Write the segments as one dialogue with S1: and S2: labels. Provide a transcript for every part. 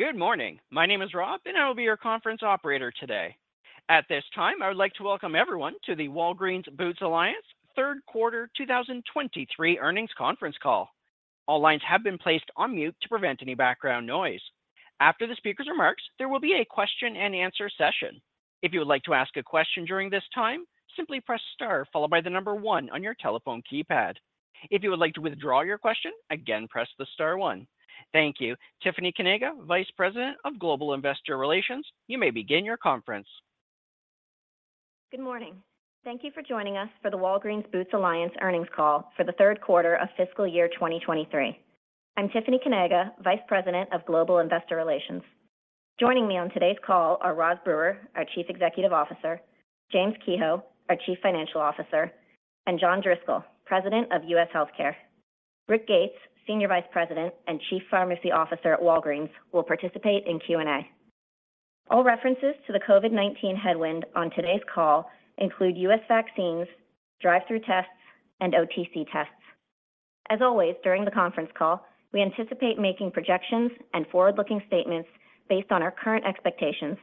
S1: Good morning. My name is Rob, I will be your conference operator today. At this time, I would like to welcome everyone to the Walgreens Boots Alliance third quarter 2023 earnings conference call. All lines have been placed on mute to prevent any background noise. After the speaker's remarks, there will be a question-and-answer session. If you would like to ask a question during this time, simply press star followed by the number one on your telephone keypad. If you would like to withdraw your question, again, press the star one. Thank you. Tiffany Kanaga, Vice President of Global Investor Relations, you may begin your conference.
S2: Good morning. Thank you for joining us for the Walgreens Boots Alliance earnings call for the third quarter of fiscal year 2023. I'm Tiffany Kanaga, Vice President of Global Investor Relations. Joining me on today's call are Rosalind Brewer, our Chief Executive Officer, James Kehoe, our Chief Financial Officer, and John Driscoll, President of U.S. Healthcare. Rick Gates, Senior Vice President and Chief Pharmacy Officer at Walgreens, will participate in Q&A. All references to the COVID-19 headwind on today's call include US vaccines, drive-thru tests, and OTC tests. As always, during the conference call, we anticipate making projections and forward-looking statements based on our current expectations.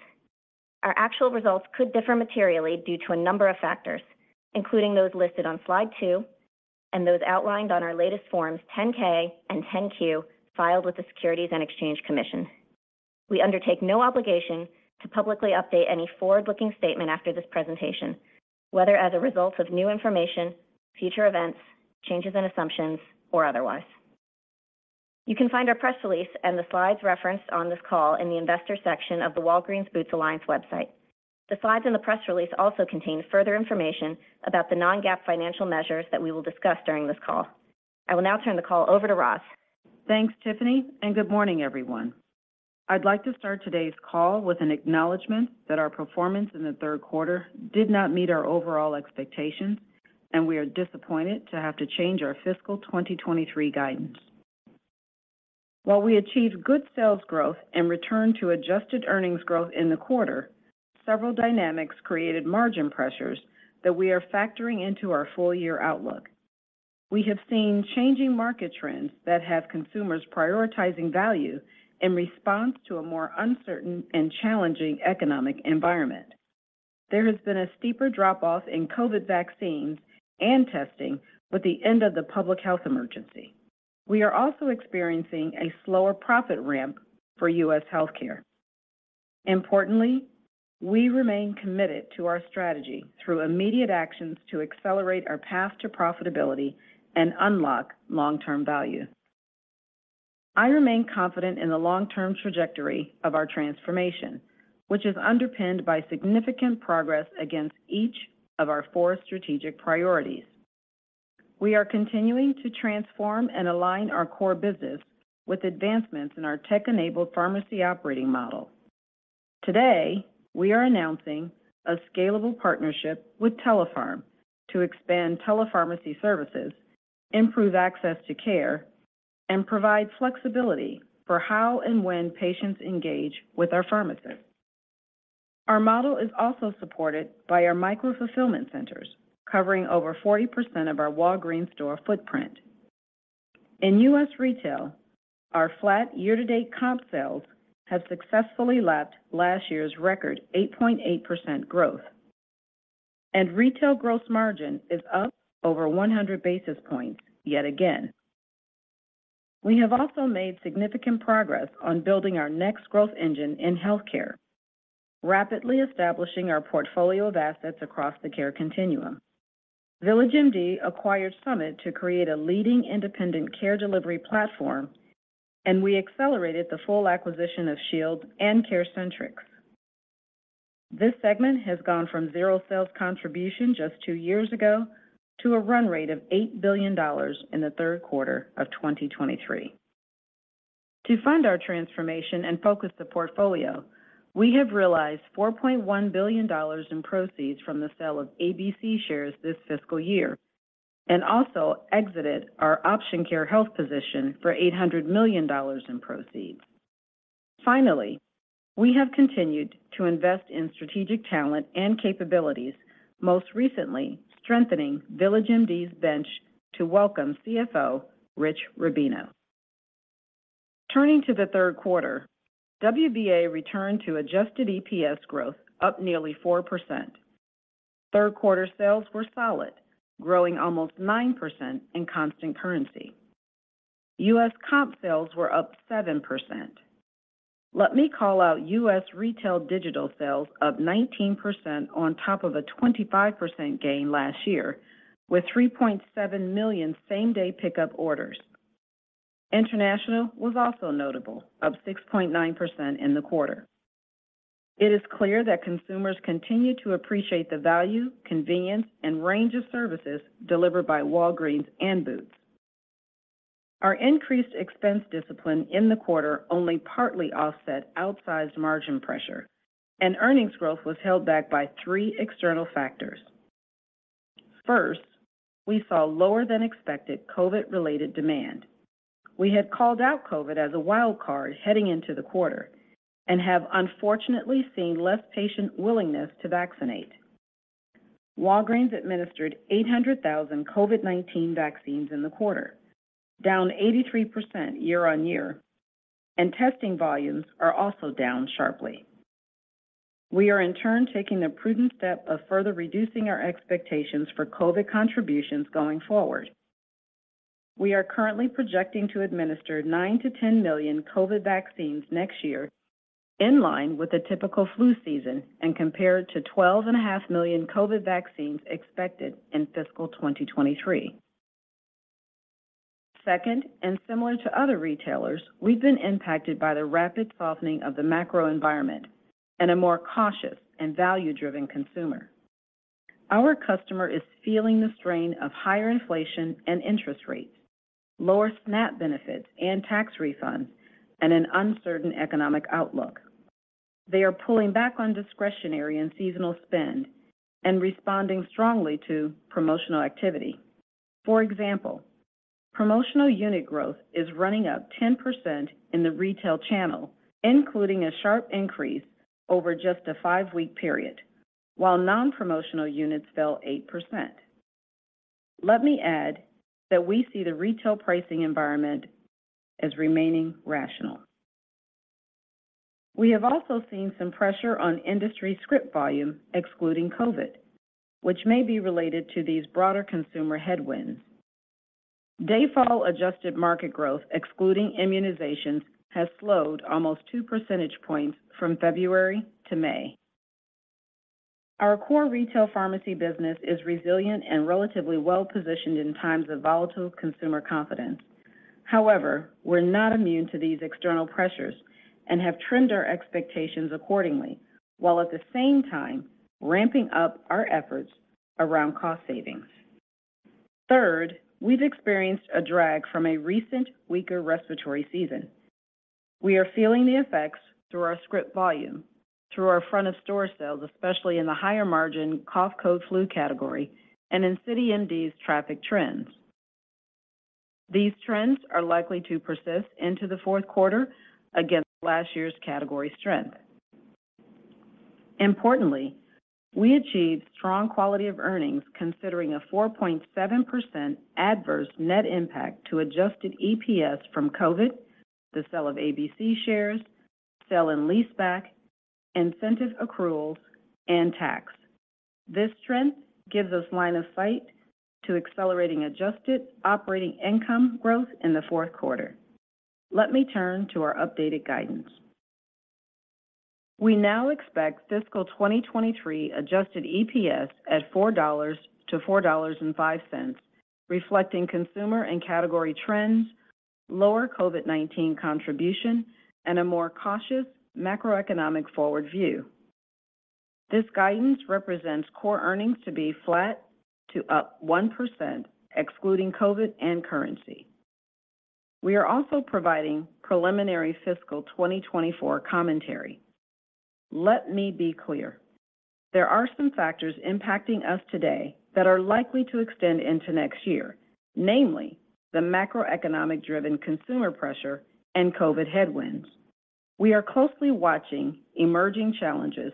S2: Our actual results could differ materially due to a number of factors, including those listed on slide two and those outlined on our latest forms 10K and 10Q, filed with the Securities and Exchange Commission. We undertake no obligation to publicly update any forward-looking statement after this presentation, whether as a result of new information, future events, changes in assumptions, or otherwise. You can find our press release and the slides referenced on this call in the investor section of the Walgreens Boots Alliance website. The slides and the press release also contain further information about the non-GAAP financial measures that we will discuss during this call. I will now turn the call over to Rosalind.
S3: Thanks, Tiffany. Good morning, everyone. I'd like to start today's call with an acknowledgment that our performance in the third quarter did not meet our overall expectations. We are disappointed to have to change our fiscal 2023 guidance. While we achieved good sales growth and returned to adjusted earnings growth in the quarter, several dynamics created margin pressures that we are factoring into our full-year outlook. We have seen changing market trends that have consumers prioritizing value in response to a more uncertain and challenging economic environment. There has been a steeper drop-off in COVID-19 vaccines and testing with the end of the public health emergency. We are also experiencing a slower profit ramp for US Healthcare. Importantly, we remain committed to our strategy through immediate actions to accelerate our path to profitability and unlock long-term value. I remain confident in the long-term trajectory of our transformation, which is underpinned by significant progress against each of our four strategic priorities. We are continuing to transform and align our core business with advancements in our tech-enabled pharmacy operating model. Today, we are announcing a scalable partnership with TelePharm to expand telepharmacy services, improve access to care, and provide flexibility for how and when patients engage with our pharmacists. Our model is also supported by our micro-fulfillment centers, covering over 40% of our Walgreens store footprint. In US retail, our flat year-to-date comp sales have successfully lapped last year's record 8.8% growth, and retail gross margin is up over 100 basis points yet again. We have also made significant progress on building our next growth engine in healthcare, rapidly establishing our portfolio of assets across the care continuum. VillageMD acquired Summit to create a leading independent care delivery platform, and we accelerated the full acquisition of Shields and CareCentrix. This segment has gone from zero sales contribution just two years ago to a run rate of $8 billion in the third quarter of 2023. To fund our transformation and focus the portfolio, we have realized $4.1 billion in proceeds from the sale of ABC shares this fiscal year and also exited our Option Care Health position for $800 million in proceeds. Finally, we have continued to invest in strategic talent and capabilities, most recently strengthening VillageMD's bench to welcome CFO Rich Rubino. Turning to the third quarter, WBA returned to adjusted EPS growth, up nearly 4%. Third quarter sales were solid, growing almost 9% in constant currency. US comp sales were up 7%. Let me call out US retail digital sales up 19% on top of a 25% gain last year, with 3.7 million same-day pickup orders. International was also notable, up 6.9% in the quarter. It is clear that consumers continue to appreciate the value, convenience, and range of services delivered by Walgreens and Boots. Our increased expense discipline in the quarter only partly offset outsized margin pressure, and earnings growth was held back by three external factors. First, we saw lower than expected COVID-related demand. We had called out COVID as a wild card heading into the quarter and have unfortunately seen less patient willingness to vaccinate. Walgreens administered 800,000 COVID-19 vaccines in the quarter, down 83% year-on-year, and testing volumes are also down sharply. We are in turn taking the prudent step of further reducing our expectations for COVID contributions going forward. We are currently projecting to administer nine million-10 million COVID vaccines next year, in line with a typical flu season. Compared to 12.5 million COVID vaccines expected in fiscal 2023. Second, similar to other retailers, we've been impacted by the rapid softening of the macro environment and a more cautious and value-driven consumer. Our customer is feeling the strain of higher inflation and interest rates, lower SNAP benefits and tax refunds, and an uncertain economic outlook. They are pulling back on discretionary and seasonal spend and responding strongly to promotional activity. For example, promotional unit growth is running up 10% in the retail channel, including a sharp increase over just a five-week period, while non-promotional units fell 8%. Let me add that we see the retail pricing environment as remaining rational. We have also seen some pressure on industry script volume, excluding COVID-19, which may be related to these broader consumer headwinds. Dayfall Adjusted Market growth, excluding immunizations, has slowed almost 2% points from February to May. Our core retail pharmacy business is resilient and relatively well-positioned in times of volatile consumer confidence. However, we're not immune to these external pressures and have trend our expectations accordingly, while at the same time ramping up our efforts around cost savings. Third, we've experienced a drag from a recent weaker respiratory season. We are feeling the effects through our script volume, through our front-of-store sales, especially in the higher-margin cough, cold, flu category, and in CityMD's traffic trends. These trends are likely to persist into the fourth quarter against last year's category strength. Importantly, we achieved strong quality of earnings, considering a 4.7% adverse net impact to adjusted EPS from COVID-19, the sale of ABC shares, sale and leaseback, incentive accruals, and tax. This strength gives us line of sight to accelerating adjusted operating income growth in the fourth quarter. Let me turn to our updated guidance. We now expect fiscal 2023 adjusted EPS at $4.00-$4.05, reflecting consumer and category trends, lower COVID-19 contribution, and a more cautious macroeconomic forward view. This guidance represents core earnings to be flat to up 1%, excluding COVID-19 and currency. We are also providing preliminary fiscal 2024 commentary. Let me be clear, there are some factors impacting us today that are likely to extend into next year, namely, the macroeconomic-driven consumer pressure and COVID-19 headwinds. We are closely watching emerging challenges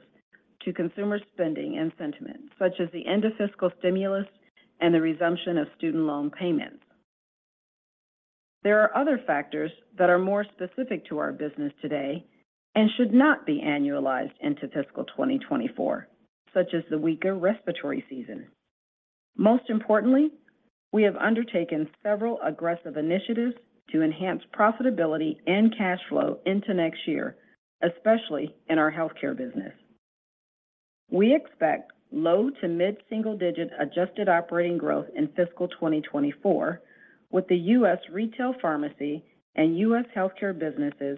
S3: to consumer spending and sentiment, such as the end of fiscal stimulus and the resumption of student loan payments. There are other factors that are more specific to our business today and should not be annualized into fiscal 2024, such as the weaker respiratory season. Most importantly, we have undertaken several aggressive initiatives to enhance profitability and cash flow into next year, especially in our healthcare business. We expect low to mid-single-digit adjusted operating growth in fiscal 2024, with the US retail pharmacy and US healthcare businesses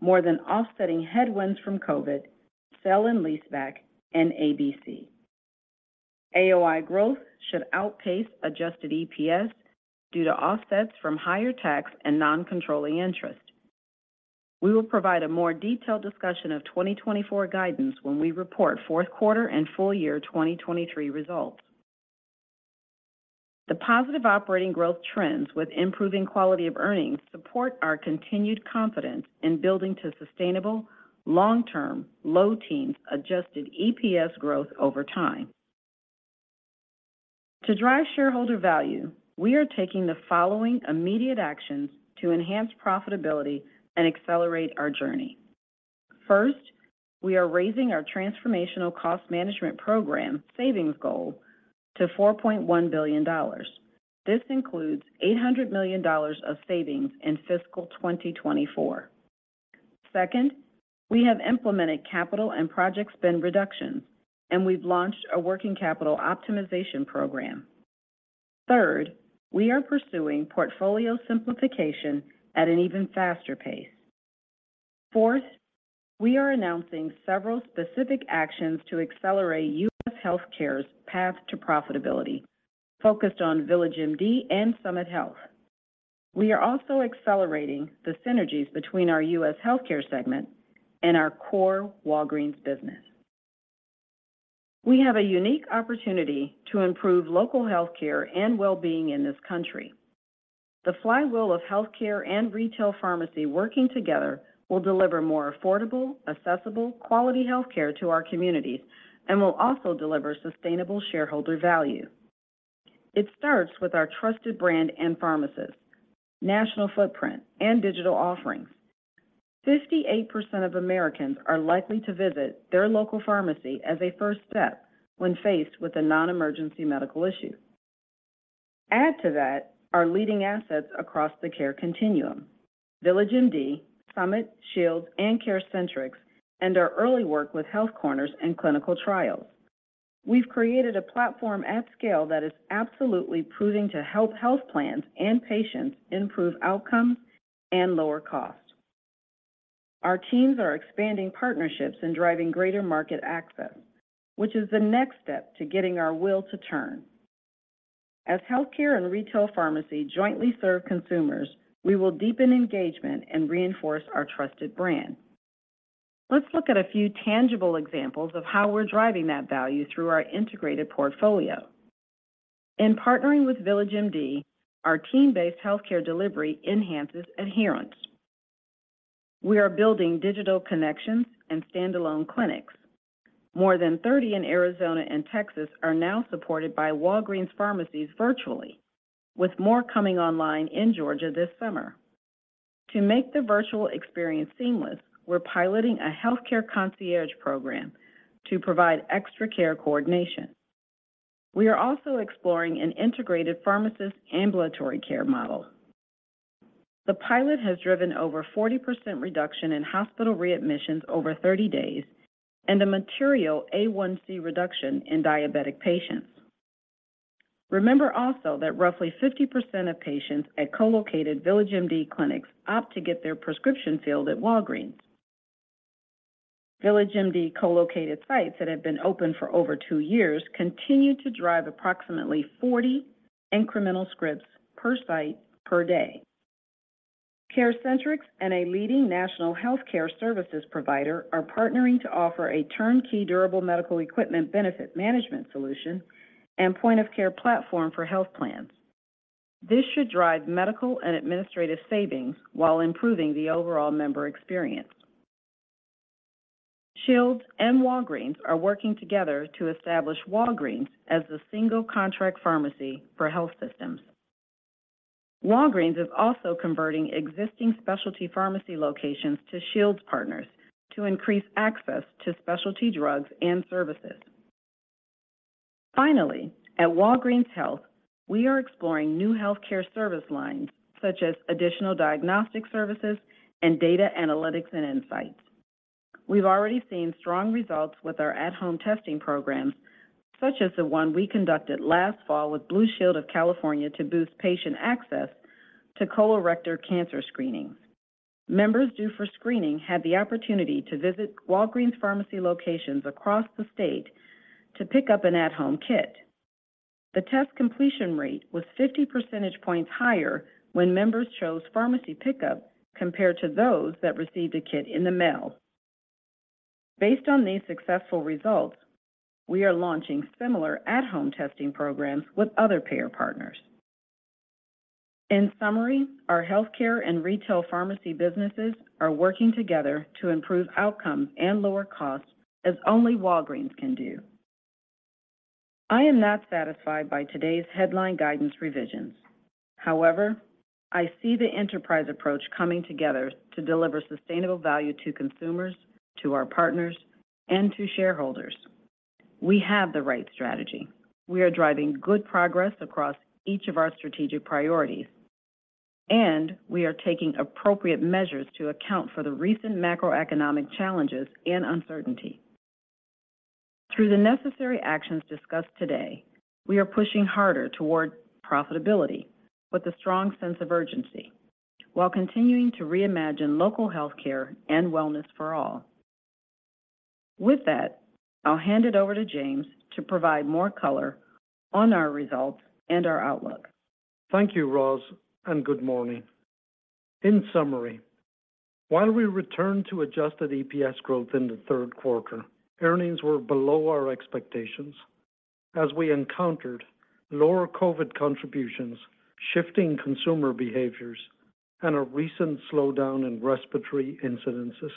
S3: more than offsetting headwinds from COVID, sale and leaseback, and ABC. AOI growth should outpace adjusted EPS due to offsets from higher tax and non-controlling interest. We will provide a more detailed discussion of 2024 guidance when we report fourth quarter and full year 2023 results. The positive operating growth trends with improving quality of earnings support our continued confidence in building to sustainable, long-term, low teens, adjusted EPS growth over time. To drive shareholder value, we are taking the following immediate actions to enhance profitability and accelerate our journey. First, we are raising our Transformational Cost Management Program savings goal to $4.1 billion. This includes $800 million of savings in fiscal 2024. Second, we have implemented capital and project spend reductions, and we've launched a working capital optimization program. Third, we are pursuing portfolio simplification at an even faster pace. Fourth, we are announcing several specific actions to accelerate US Healthcare's path to profitability, focused on VillageMD and Summit Health. We are also accelerating the synergies between our US Healthcare segment and our core Walgreens business. We have a unique opportunity to improve local healthcare and well-being in this country. The flywheel of healthcare and retail pharmacy working together will deliver more affordable, accessible, quality healthcare to our communities and will also deliver sustainable shareholder value. It starts with our trusted brand and pharmacists, national footprint, and digital offerings. 58% of Americans are likely to visit their local pharmacy as a first step when faced with a non-emergency medical issue. Add to that our leading assets across the care continuum: VillageMD, Summit, Shields, and CareCentrix, and our early work with Health Corners and clinical trials. We've created a platform at scale that is absolutely proving to help health plans and patients improve outcomes and lower costs. Our teams are expanding partnerships and driving greater market access, which is the next step to getting our wheel to turn. As healthcare and retail pharmacy jointly serve consumers, we will deepen engagement and reinforce our trusted brand. Let's look at a few tangible examples of how we're driving that value through our integrated portfolio. In partnering with VillageMD, our team-based healthcare delivery enhances adherence. We are building digital connections and standalone clinics. More than 30 in Arizona and Texas are now supported by Walgreens pharmacies virtually, with more coming online in Georgia this summer. To make the virtual experience seamless, we're piloting a healthcare concierge program to provide extra care coordination. We are also exploring an integrated pharmacist ambulatory care model. The pilot has driven over 40% reduction in hospital readmissions over 30 days and a material A1C reduction in diabetic patients. Remember also that roughly 50% of patients at co-located VillageMD clinics opt to get their prescription filled at Walgreens. VillageMD co-located sites that have been open for over two years continue to drive approximately 40 incremental scripts per site per day. CareCentrix and a leading national healthcare services provider are partnering to offer a turnkey durable medical equipment benefit management solution and point-of-care platform for health plans. This should drive medical and administrative savings while improving the overall member experience. Shields and Walgreens are working together to establish Walgreens as the single contract pharmacy for health systems. Walgreens is also converting existing specialty pharmacy locations to Shields partners to increase access to specialty drugs and services. Finally, at Walgreens Health, we are exploring new healthcare service lines, such as additional diagnostic services and data analytics and insights. We've already seen strong results with our at-home testing programs, such as the one we conducted last fall with Blue Shields of California to boost patient access to colorectal cancer screening. Members due for screening had the opportunity to visit Walgreens pharmacy locations across the state to pick up an at-home kit. The test completion rate was 50% points higher when members chose pharmacy pickup compared to those that received a kit in the mail. Based on these successful results, we are launching similar at-home testing programs with other payer partners. In summary, our healthcare and retail pharmacy businesses are working together to improve outcomes and lower costs as only Walgreens can do. I am not satisfied by today's headline guidance revisions. However, I see the enterprise approach coming together to deliver sustainable value to consumers, to our partners, and to shareholders. We have the right strategy. We are driving good progress across each of our strategic priorities, and we are taking appropriate measures to account for the recent macroeconomic challenges and uncertainty. Through the necessary actions discussed today, we are pushing harder toward profitability with a strong sense of urgency while continuing to reimagine local healthcare and wellness for all. With that, I'll hand it over to James to provide more color on our results and our outlook.
S4: Thank you, Rosalind. Good morning. In summary, while we returned to adjusted EPS growth in the third quarter, earnings were below our expectations as we encountered lower COVID-19 contributions, shifting consumer behaviors, and a recent slowdown in respiratory incidences.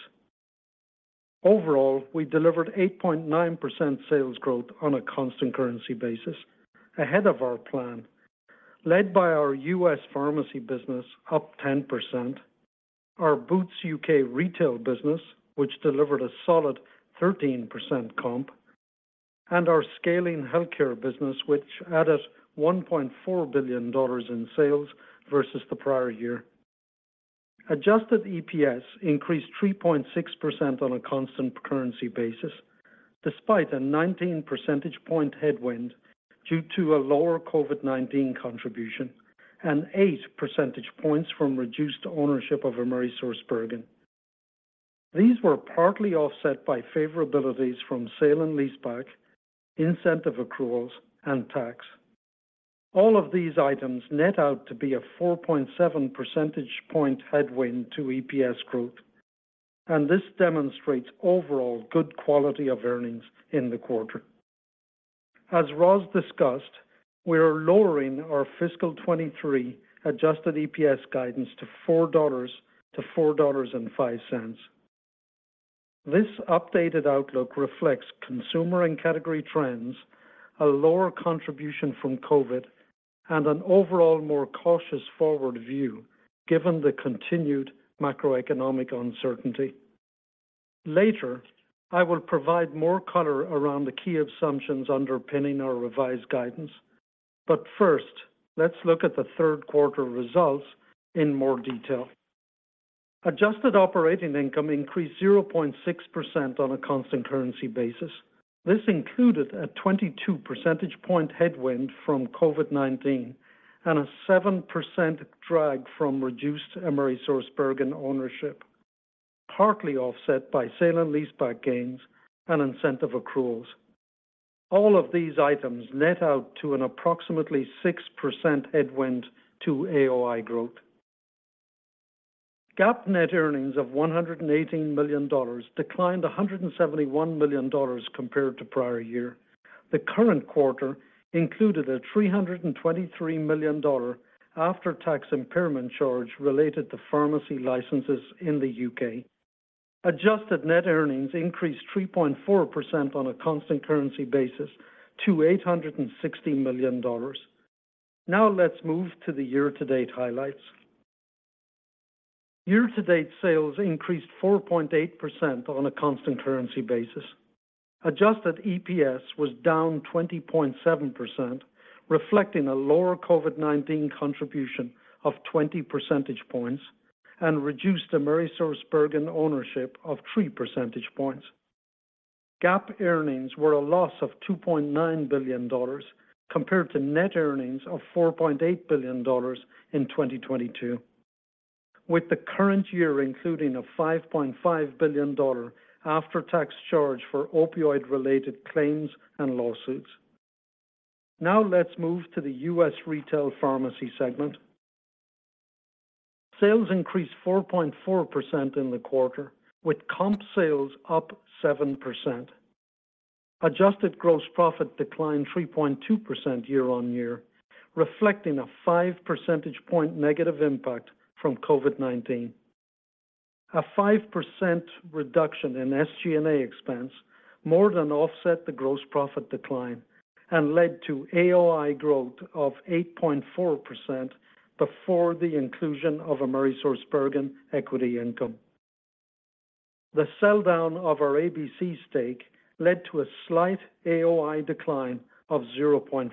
S4: Overall, we delivered 8.9% sales growth on a constant currency basis, ahead of our plan, led by our US pharmacy business, up 10%; our Boots UK retail business, which delivered a solid 13% comp; and our scaling healthcare business, which added $1.4 billion in sales versus the prior year. Adjusted EPS increased 3.6% on a constant currency basis, despite a 19% point headwind due to a lower COVID-19 contribution and 8% points from reduced ownership of AmerisourceBergen. These were partly offset by favorabilities from sale and leaseback, incentive accruals, and tax. All of these items net out to be a 4.7% point headwind to EPS growth. This demonstrates overall good quality of earnings in the quarter. As Rosalind discussed, we are lowering our fiscal 2023 adjusted EPS guidance to $4.00-$4.05. This updated outlook reflects consumer and category trends, a lower contribution from COVID-19, and an overall more cautious forward view, given the continued macroeconomic uncertainty. Later, I will provide more color around the key assumptions underpinning our revised guidance. First, let's look at the third quarter results in more detail. Adjusted operating income increased 0.6% on a constant currency basis. This included a 22% point headwind from COVID-19 and a 7% drag from reduced AmerisourceBergen ownership, partly offset by sale and leaseback gains and incentive accruals. All of these items net out to an approximately 6% headwind to AOI growth. GAAP net earnings of $118 million declined $171 million compared to prior year. The current quarter included a $323 million after-tax impairment charge related to pharmacy licenses in the UK. Adjusted net earnings increased 3.4% on a constant currency basis to $860 million. Let's move to the year-to-date highlights. Year-to-date sales increased 4.8% on a constant currency basis. Adjusted EPS was down 20.7%, reflecting a lower COVID-19 contribution of 20% points and reduced AmerisourceBergen ownership of 3% points. GAAP earnings were a loss of $2.9 billion compared to net earnings of $4.8 billion in 2022, with the current year including a $5.5 billion after-tax charge for opioid-related claims and lawsuits. Let's move to the U.S. Retail Pharmacy segment. Sales increased 4.4% in the quarter, with comp sales up 7%. Adjusted gross profit declined 3.2% year-on-year, reflecting a 5% point negative impact from COVID-19. A 5% reduction in SG&A expense more than offset the gross profit decline and led to AOI growth of 8.4% before the inclusion of AmerisourceBergen equity income. The sell-down of our ABC stake led to a slight AOI decline of 0.4%.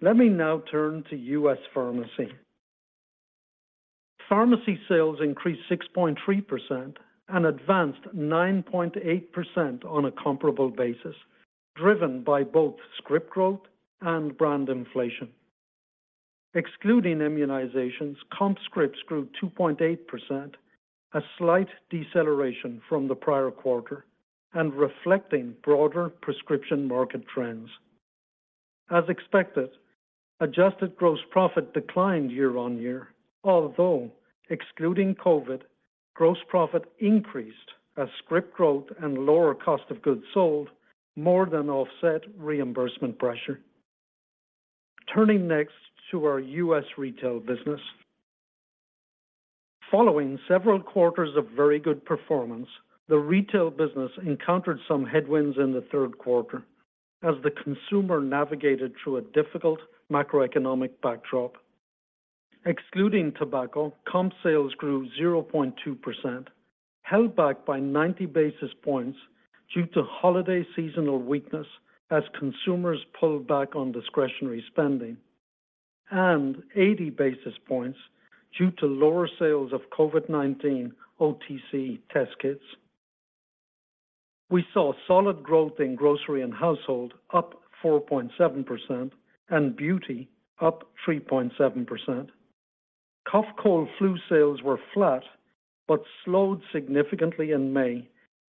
S4: Let me now turn to US Pharmacy. Pharmacy sales increased 6.3% and advanced 9.8% on a comparable basis, driven by both script growth and brand inflation. Excluding immunizations, comp scripts grew 2.8%, a slight deceleration from the prior quarter and reflecting broader prescription market trends. As expected, adjusted gross profit declined year-on-year, although excluding COVID-19, gross profit increased as script growth and lower cost of goods sold more than offset reimbursement pressure. Turning next to our US Retail Business. Following several quarters of very good performance, the retail business encountered some headwinds in the third quarter as the consumer navigated through a difficult macroeconomic backdrop. Excluding tobacco, comp sales grew 0.2%, held back by 90 basis points due to holiday seasonal weakness as consumers pulled back on discretionary spending, and 80 basis points due to lower sales of COVID-19 OTC test kits. We saw solid growth in grocery and household, up 4.7%, and beauty, up 3.7%. Cough, cold, flu sales were flat but slowed significantly in May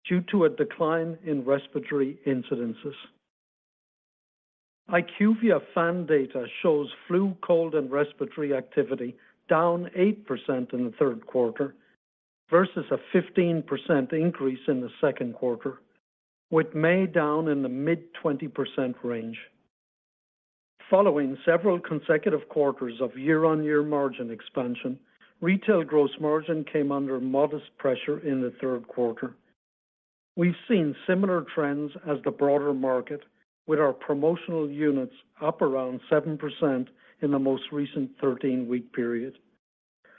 S4: due to a decline in respiratory incidences. IQVIA fund data shows flu, cold, and respiratory activity down 8% in the third quarter versus a 15% increase in the second quarter, with May down in the mid-20% range. Following several consecutive quarters of year-on-year margin expansion, retail gross margin came under modest pressure in the third quarter. We've seen similar trends as the broader market, with our promotional units up around 7% in the most recent 13-week period.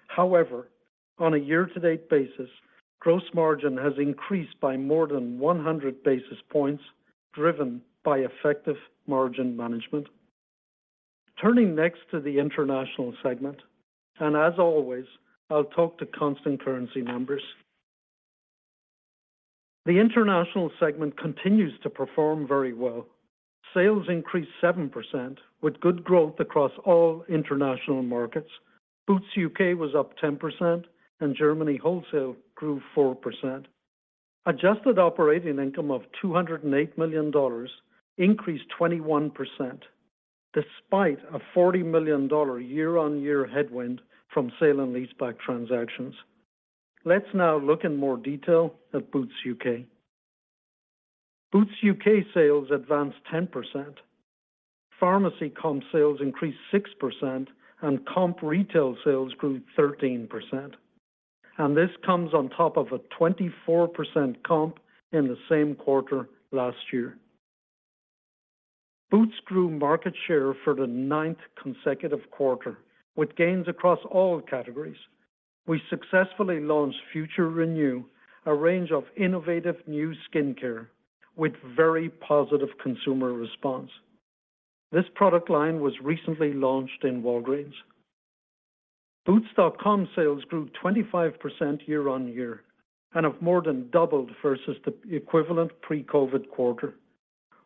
S4: However, on a year-to-date basis, gross margin has increased by more than 100 basis points, driven by effective margin management. Turning next to the international segment, and as always, I'll talk to constant currency numbers. The international segment continues to perform very well. Sales increased 7%, with good growth across all international markets. Boots UK was up 10%, and Germany wholesale grew 4%. Adjusted operating income of $208 million increased 21%, despite a $40 million year-on-year headwind from sale and leaseback transactions. Let's now look in more detail at Boots UK. Boots UK sales advanced 10%. Pharmacy comp sales increased 6%, and comp retail sales grew 13%, and this comes on top of a 24% comp in the same quarter last year. Boots grew market share for the ninth consecutive quarter, with gains across all categories. We successfully launched Future Renew, a range of innovative new skincare with very positive consumer response. This product line was recently launched in Walgreens. Boots.com sales grew 25% year-on-year and have more than doubled versus the equivalent pre-COVID quarter.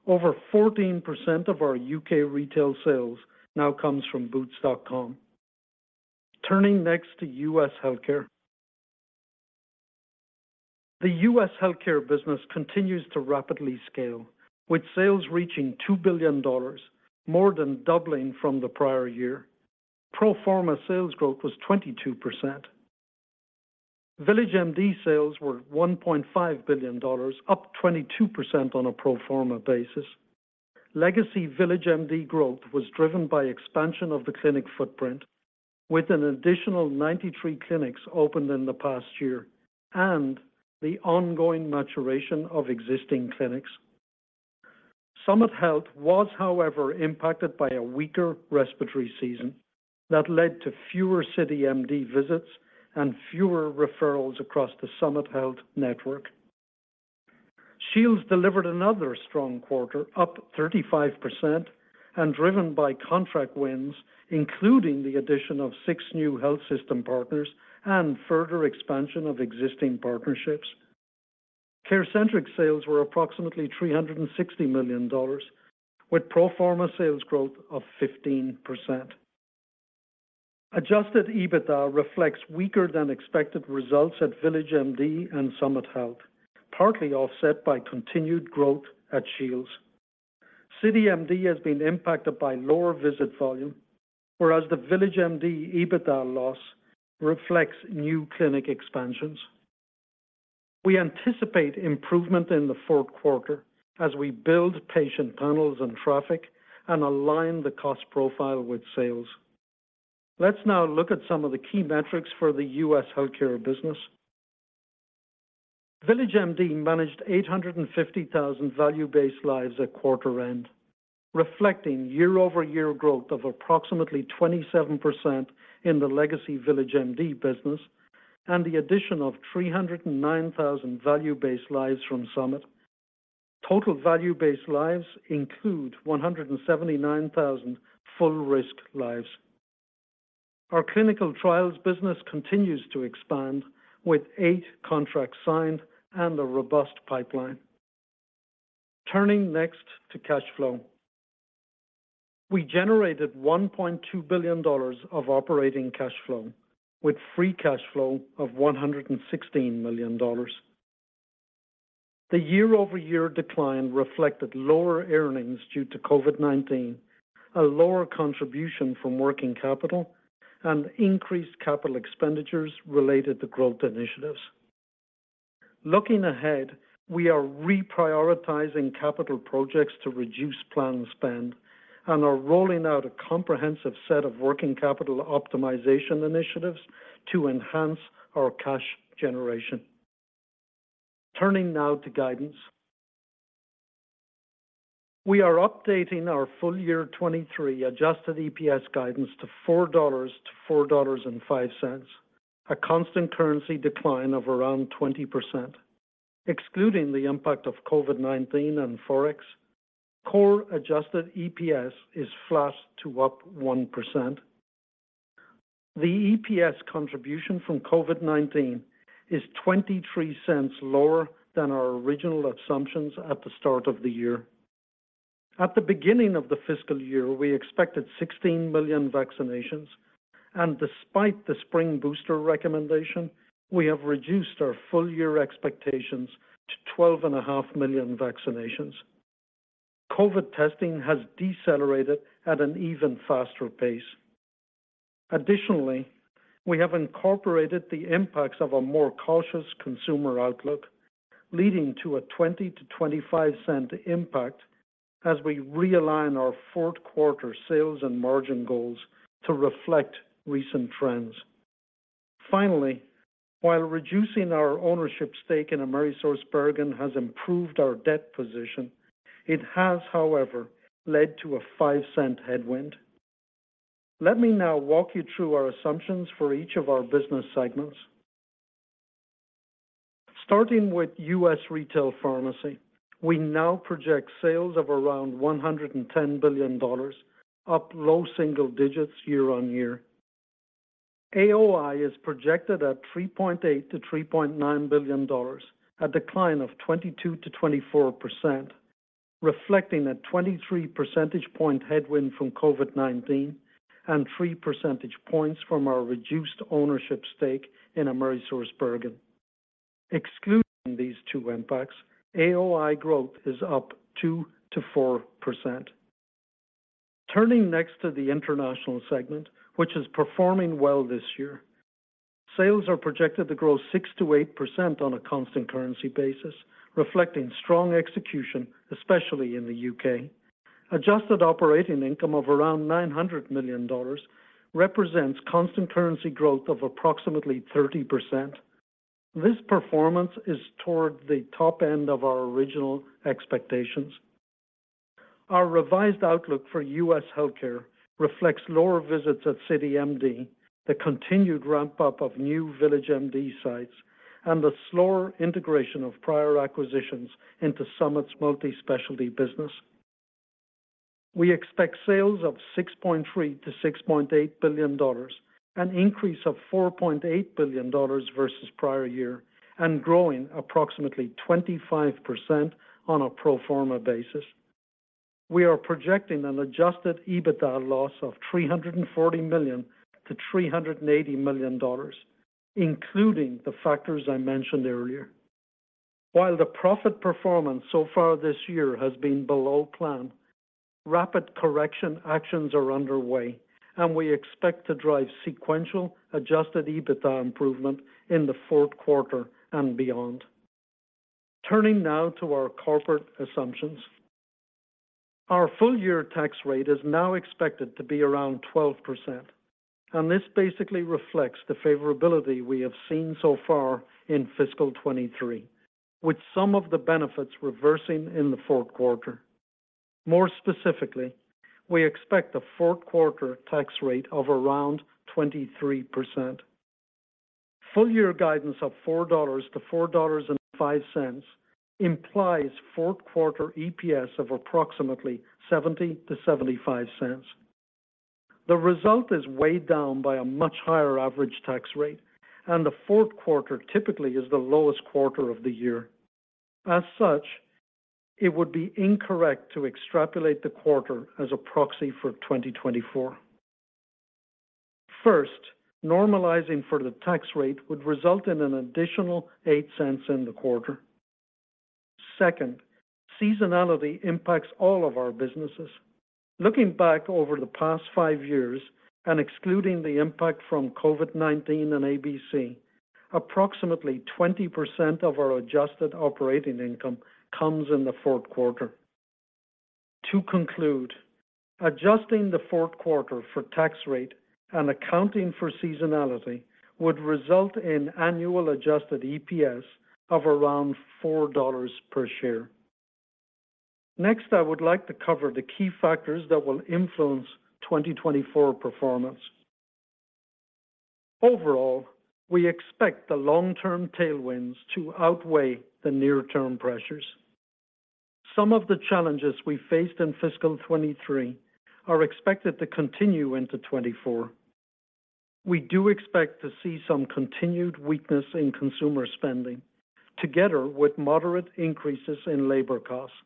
S4: Over 14% of our UK retail sales now comes from Boots.com. Turning next to US Healthcare. The US Healthcare business continues to rapidly scale, with sales reaching $2 billion, more than doubling from the prior year. Pro forma sales growth was 22%. VillageMD sales were $1.5 billion, up 22% on a pro forma basis. Legacy VillageMD growth was driven by expansion of the clinic footprint, with an additional 93 clinics opened in the past year and the ongoing maturation of existing clinics. Summit Health was, however, impacted by a weaker respiratory season that led to fewer CityMD visits and fewer referrals across the Summit Health network. Shields delivered another strong quarter, up 35% and driven by contract wins, including the addition of six new health system partners and further expansion of existing partnerships. CareCentrix sales were approximately $360 million, with pro forma sales growth of 15%. Adjusted EBITDA reflects weaker than expected results at VillageMD and Summit Health, partly offset by continued growth at Shields. CityMD has been impacted by lower visit volume, whereas the VillageMD EBITDA loss reflects new clinic expansions. We anticipate improvement in the fourth quarter as we build patient panels and traffic and align the cost profile with sales. Let's now look at some of the key metrics for the US Healthcare business. VillageMD managed 850,000 value-based lives at quarter end, reflecting year-over-year growth of approximately 27% in the legacy VillageMD business and the addition of 309,000 value-based lives from Summit. Total value-based lives include 179,000 full-risked lives. Our clinical trials business continues to expand, with eight contracts signed and a robust pipeline. Turning next to cash flow. We generated $1.2 billion of operating cash flow, with free cash flow of $116 million. The year-over-year decline reflected lower earnings due to COVID-19, a lower contribution from working capital, and increased capital expenditures related to growth initiatives. Looking ahead, we are reprioritizing capital projects to reduce planned spend and are rolling out a comprehensive set of working capital optimization initiatives to enhance our cash generation. Turning now to guidance. We are updating our full year 2023 Adjusted EPS guidance to $4.00-$4.05, a constant currency decline of around 20%. Excluding the impact of COVID-19 and Forex, core adjusted EPS is flat to up 1%. The EPS contribution from COVID-19 is $0.23 lower than our original assumptions at the start of the year. At the beginning of the fiscal year, we expected 16 million vaccinations, despite the spring booster recommendation, we have reduced our full year expectations to 12.5 million vaccinations. COVID testing has decelerated at an even faster pace. Additionally, we have incorporated the impacts of a more cautious consumer outlook, leading to a $0.20-$0.25 impact as we realign our fourth quarter sales and margin goals to reflect recent trends. While reducing our ownership stake in AmerisourceBergen has improved our debt position, it has, however, led to a $0.05 headwind. Let me now walk you through our assumptions for each of our business segments. Starting with US Retail Pharmacy, we now project sales of around $110 billion, up low single digits year-on-year. AOI is projected at $3.8 billion-$3.9 billion, a decline of 22%-24%, reflecting a 23% point headwind from COVID-19 and 3% points from our reduced ownership stake in AmerisourceBergen. Excluding these two impacts, AOI growth is up 2%-4%. Turning next to the International segment, which is performing well this year. Sales are projected to grow 6%-8% on a constant currency basis, reflecting strong execution, especially in the U.K. Adjusted operating income of around $900 million represents constant currency growth of approximately 30%. This performance is toward the top end of our original expectations. Our revised outlook for US Healthcare reflects lower visits at CityMD, the continued ramp-up of new VillageMD sites, and the slower integration of prior acquisitions into Summit's multi-specialty business. We expect sales of $6.3 billion-$6.8 billion, an increase of $4.8 billion versus prior year, and growing approximately 25% on a pro forma basis. We are projecting an adjusted EBITDA loss of $340 million-$380 million, including the factors I mentioned earlier. While the profit performance so far this year has been below plan, rapid correction actions are underway, and we expect to drive sequential Adjusted EBITDA improvement in the fourth quarter and beyond. Turning now to our corporate assumptions. Our full-year tax rate is now expected to be around 12%. This basically reflects the favorability we have seen so far in fiscal 2023, with some of the benefits reversing in the fourth quarter. More specifically, we expect a fourth quarter tax rate of around 23%. Full-year guidance of $4.00-$4.05 implies fourth quarter EPS of approximately $0.70-$0.75. The result is weighed down by a much higher average tax rate. The fourth quarter typically is the lowest quarter of the year. As such, it would be incorrect to extrapolate the quarter as a proxy for 2024. First, normalizing for the tax rate would result in an additional $0.08 in the quarter. Second, seasonality impacts all of our businesses. Looking back over the past five years and excluding the impact from COVID-19 and ABC, approximately 20% of our adjusted operating income comes in the fourth quarter. To conclude, adjusting the fourth quarter for tax rate and accounting for seasonality would result in annual adjusted EPS of around $4 per share. Next, I would like to cover the key factors that will influence 2024 performance. Overall, we expect the long-term tailwinds to outweigh the near-term pressures. Some of the challenges we faced in fiscal 2023 are expected to continue into 2024. We do expect to see some continued weakness in consumer spending, together with moderate increases in labor costs.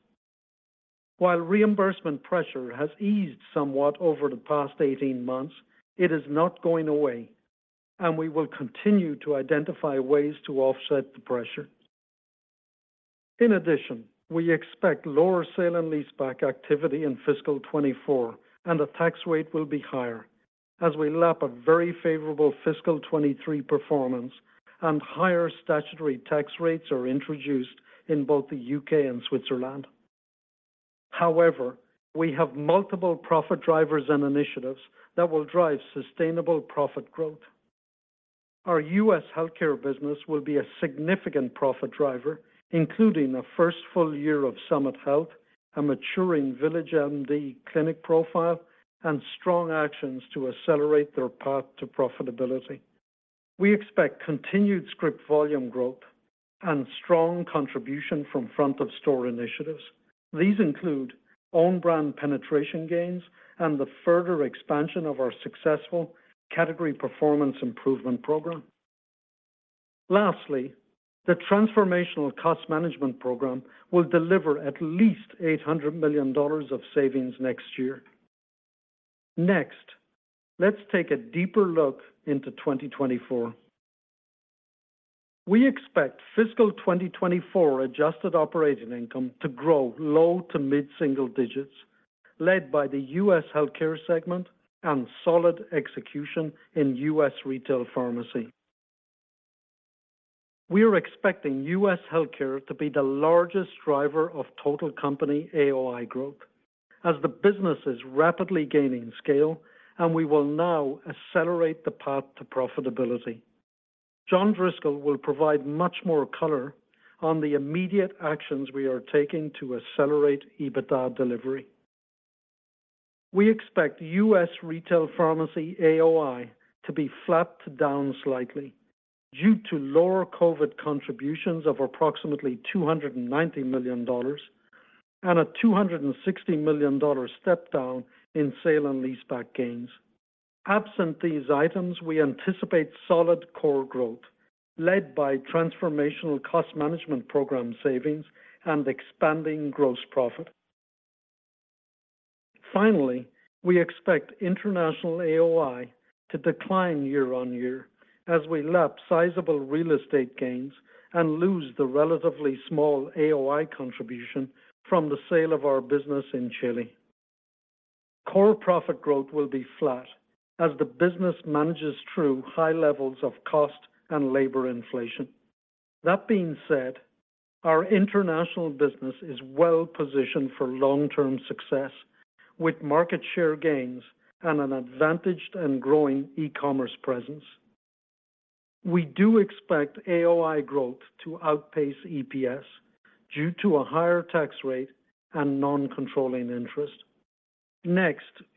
S4: While reimbursement pressure has eased somewhat over the past 18 months, it is not going away, and we will continue to identify ways to offset the pressure. In addition, we expect lower sale and leaseback activity in fiscal 2024, and the tax rate will be higher as we lap a very favorable fiscal 2023 performance and higher statutory tax rates are introduced in both the U.K. and Switzerland. However, we have multiple profit drivers and initiatives that will drive sustainable profit growth. Our US Healthcare business will be a significant profit driver, including a first full year of Summit Health, a maturing VillageMD clinic profile, and strong actions to accelerate their path to profitability. We expect continued script volume growth and strong contribution from front-of-store initiatives. These include own-brand penetration gains and the further expansion of our successful category performance improvement program. Lastly, the Transformational Cost Management Program will deliver at least $800 million of savings next year. Next, let's take a deeper look into 2024. We expect fiscal 2024 adjusted operating income to grow low to mid-single digits, led by the US Healthcare segment and solid execution in US Retail Pharmacy. We are expecting US Healthcare to be the largest driver of total company AOI growth as the business is rapidly gaining scale, and we will now accelerate the path to profitability. John Driscoll will provide much more color on the immediate actions we are taking to accelerate EBITDA delivery. We expect US Retail Pharmacy AOI to be flat to down slightly due to lower COVID contributions of approximately $290 million and a $260 million step down in sale and leaseback gains. Absent these items, we anticipate solid core growth led by Transformational Cost Management Program savings and expanding gross profit. Finally, we expect International AOI to decline year-on-year. We lap sizable real estate gains and lose the relatively small AOI contribution from the sale of our business in Chile. Core profit growth will be flat as the business manages through high levels of cost and labor inflation. That being said, our international business is well-positioned for long-term success, with market share gains and an advantaged and growing e-commerce presence. We do expect AOI growth to outpace EPS due to a higher tax rate and non-controlling interest.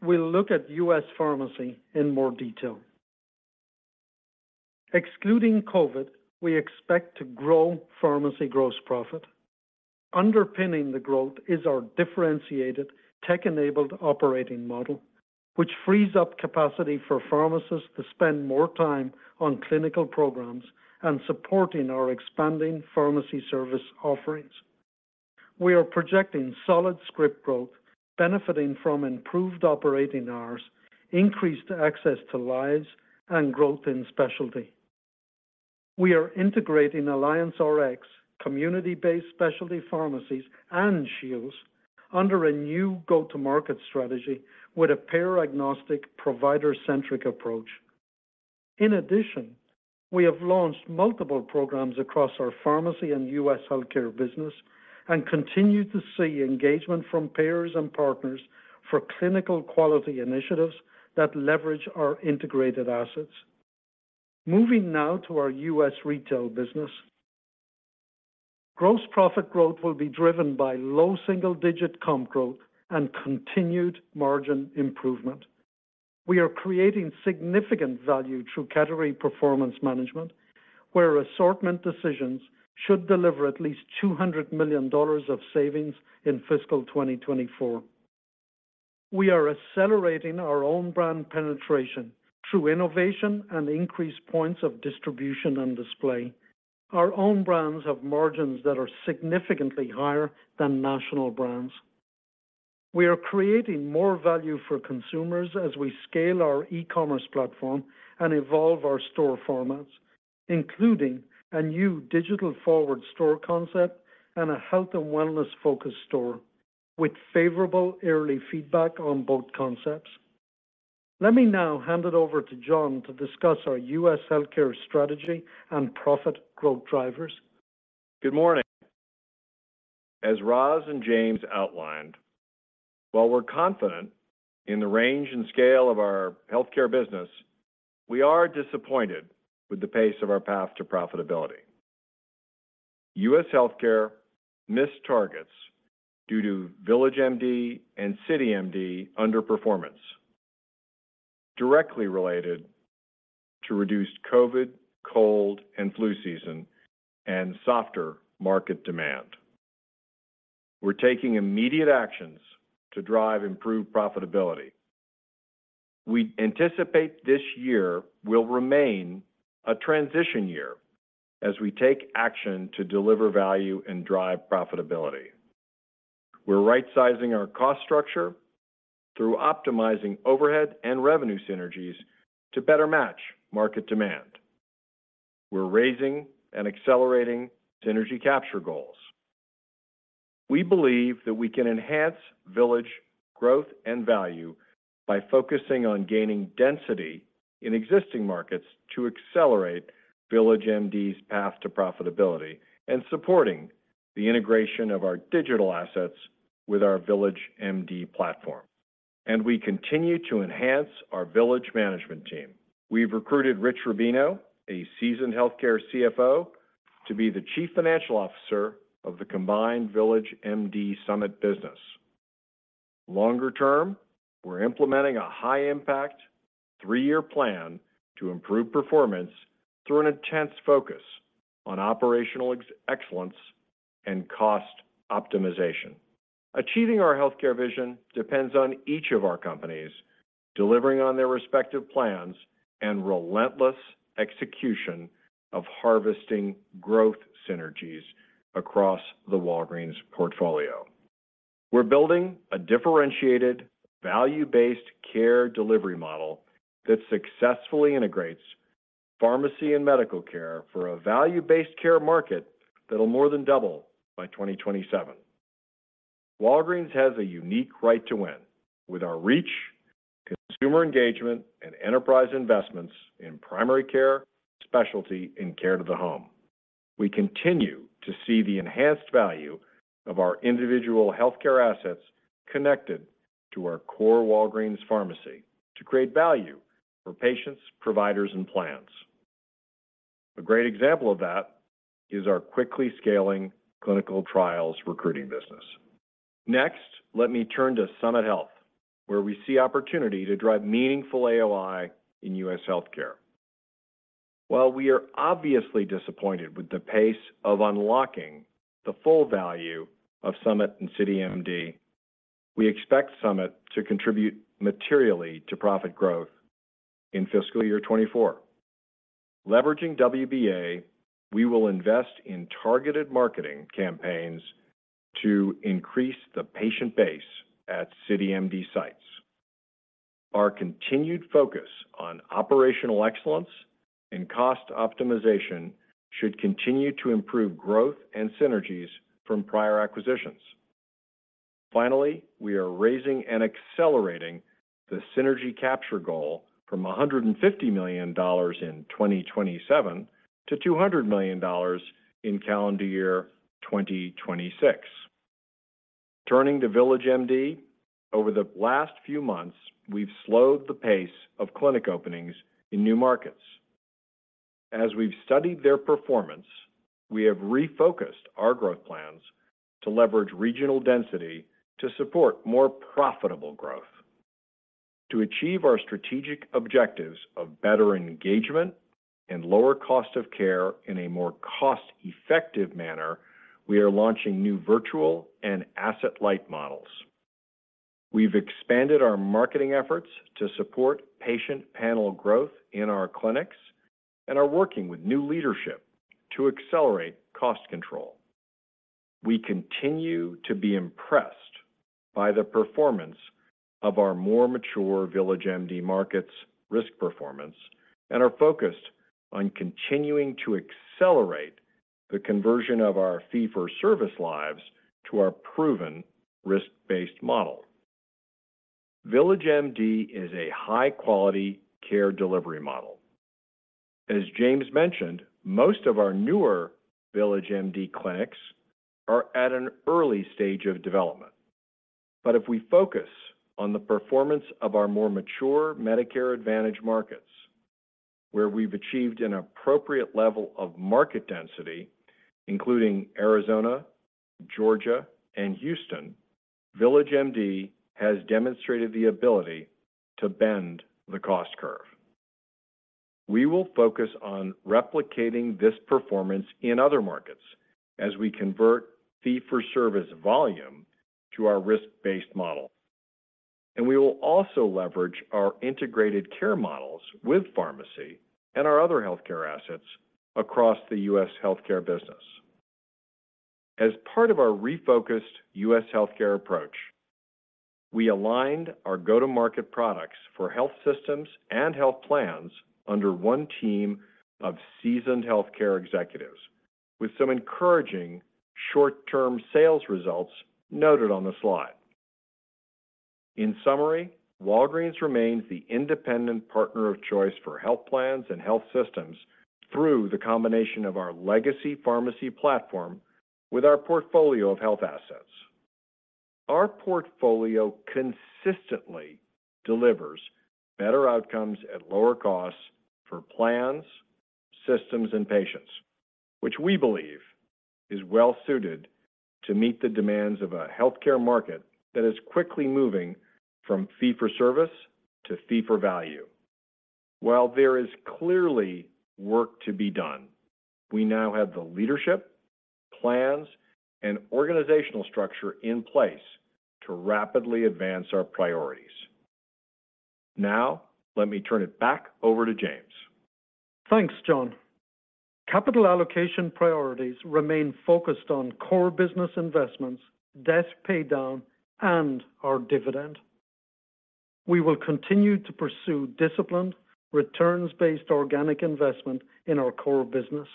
S4: We'll look at US Pharmacy in more detail. Excluding COVID, we expect to grow pharmacy gross profit. Underpinning the growth is our differentiated tech-enabled operating model, which frees up capacity for pharmacists to spend more time on clinical programs and supporting our expanding pharmacy service offerings. We are projecting solid script growth, benefiting from improved operating hours, increased access to lives, and growth in specialty. We are integrating AllianceRx, community-based specialty pharmacies, and Shields under a new go-to-market strategy with a payer-agnostic, provider-centric approach. We have launched multiple programs across our pharmacy and US Healthcare business and continue to see engagement from payers and partners for clinical quality initiatives that leverage our integrated assets. Moving now to our US Retail business. Gross profit growth will be driven by low single-digit comp growth and continued margin improvement. We are creating significant value through category performance management, where assortment decisions should deliver at least $200 million of savings in fiscal 2024. We are accelerating our own-brand penetration through innovation and increased points of distribution and display. Our own-brands have margins that are significantly higher than national brands. We are creating more value for consumers as we scale our e-commerce platform and evolve our store formats, including a new digital-forward store concept and a health and wellness-focused store, with favorable early feedback on both concepts. Let me now hand it over to John to discuss our US Healthcare strategy and profit growth drivers.
S5: Good morning. As Rosalind and James outlined, while we're confident in the range and scale of our healthcare business, we are disappointed with the pace of our path to profitability. US Healthcare missed targets due to VillageMD and CityMD underperformance, directly related to reduced COVID-19, cold, and flu season, and softer market demand. We're taking immediate actions to drive improved profitability. We anticipate this year will remain a transition year as we take action to deliver value and drive profitability. We're right-sizing our cost structure through optimizing overhead and revenue synergies to better match market demand. We're raising and accelerating synergy capture goals. We believe that we can enhance Village growth and value by focusing on gaining density in existing markets to accelerate VillageMD's path to profitability and supporting the integration of our digital assets with our VillageMD platform. We continue to enhance our Village management team. We've recruited Rich Rubino, a seasoned healthcare CFO, to be the Chief Financial Officer of the combined VillageMD Summit business. Longer term, we're implementing a high-impact, three-year plan to improve performance through an intense focus on operational excellence and cost optimization. Achieving our healthcare vision depends on each of our companies delivering on their respective plans and relentless execution of harvesting growth synergies across the Walgreens portfolio. We're building a differentiated, value-based care delivery model that successfully integrates pharmacy and medical care for a value-based care market that will more than double by 2027. Walgreens has a unique right to win with our reach, consumer engagement, and enterprise investments in primary care, specialty, and care to the home. We continue to see the enhanced value of our individual healthcare assets connected to our core Walgreens pharmacy to create value for patients, providers, and plans. A great example of that is our quickly scaling clinical trials recruiting business. Next, let me turn to Summit Health, where we see opportunity to drive meaningful AOI in US Healthcare. While we are obviously disappointed with the pace of unlocking the full value of Summit and CityMD, we expect Summit to contribute materially to profit growth in fiscal year 2024. Leveraging WBA, we will invest in targeted marketing campaigns to increase the patient base at CityMD sites. Our continued focus on operational excellence and cost optimization should continue to improve growth and synergies from prior acquisitions. Finally, we are raising and accelerating the synergy capture goal from $150 million in 2027 to $200 million in calendar year 2026. Turning to VillageMD, over the last few months, we've slowed the pace of clinic openings in new markets. As we've studied their performance, we have refocused our growth plans to leverage regional density to support more profitable growth. To achieve our strategic objectives of better engagement and lower cost of care in a more cost-effective manner, we are launching new virtual and asset-light models. We've expanded our marketing efforts to support patient panel growth in our clinics and are working with new leadership to accelerate cost control. We continue to be impressed by the performance of our more mature VillageMD markets' risk performance and are focused on continuing to accelerate the conversion of our fee-for-service lives to our proven risk-based model. VillageMD is a high-quality care delivery model. As James mentioned, most of our newer VillageMD clinics are at an early stage of development. If we focus on the performance of our more mature Medicare Advantage markets, where we've achieved an appropriate level of market density, including Arizona, Georgia, and Houston, VillageMD has demonstrated the ability to bend the cost curve. We will focus on replicating this performance in other markets as we convert fee-for-service volume to our risk-based model, and we will also leverage our integrated care models with pharmacy and our other healthcare assets across the US Healthcare business. As part of our refocused US Healthcare approach, we aligned our go-to-market products for health systems and health plans under one team of seasoned healthcare executives, with some encouraging short-term sales results noted on the slide. In summary, Walgreens remains the independent partner of choice for health plans and health systems through the combination of our legacy pharmacy platform with our portfolio of health assets. Our portfolio consistently delivers better outcomes at lower costs for plans, systems, and patients, which we believe is well suited to meet the demands of a healthcare market that is quickly moving from fee-for-service to fee-for-value. While there is clearly work to be done, we now have the leadership, plans, and organizational structure in place to rapidly advance our priorities. Now, let me turn it back over to James.
S4: Thanks, John. Capital allocation priorities remain focused on core business investments, debt paydown, and our dividend. We will continue to pursue disciplined, returns-based organic investment in our core business,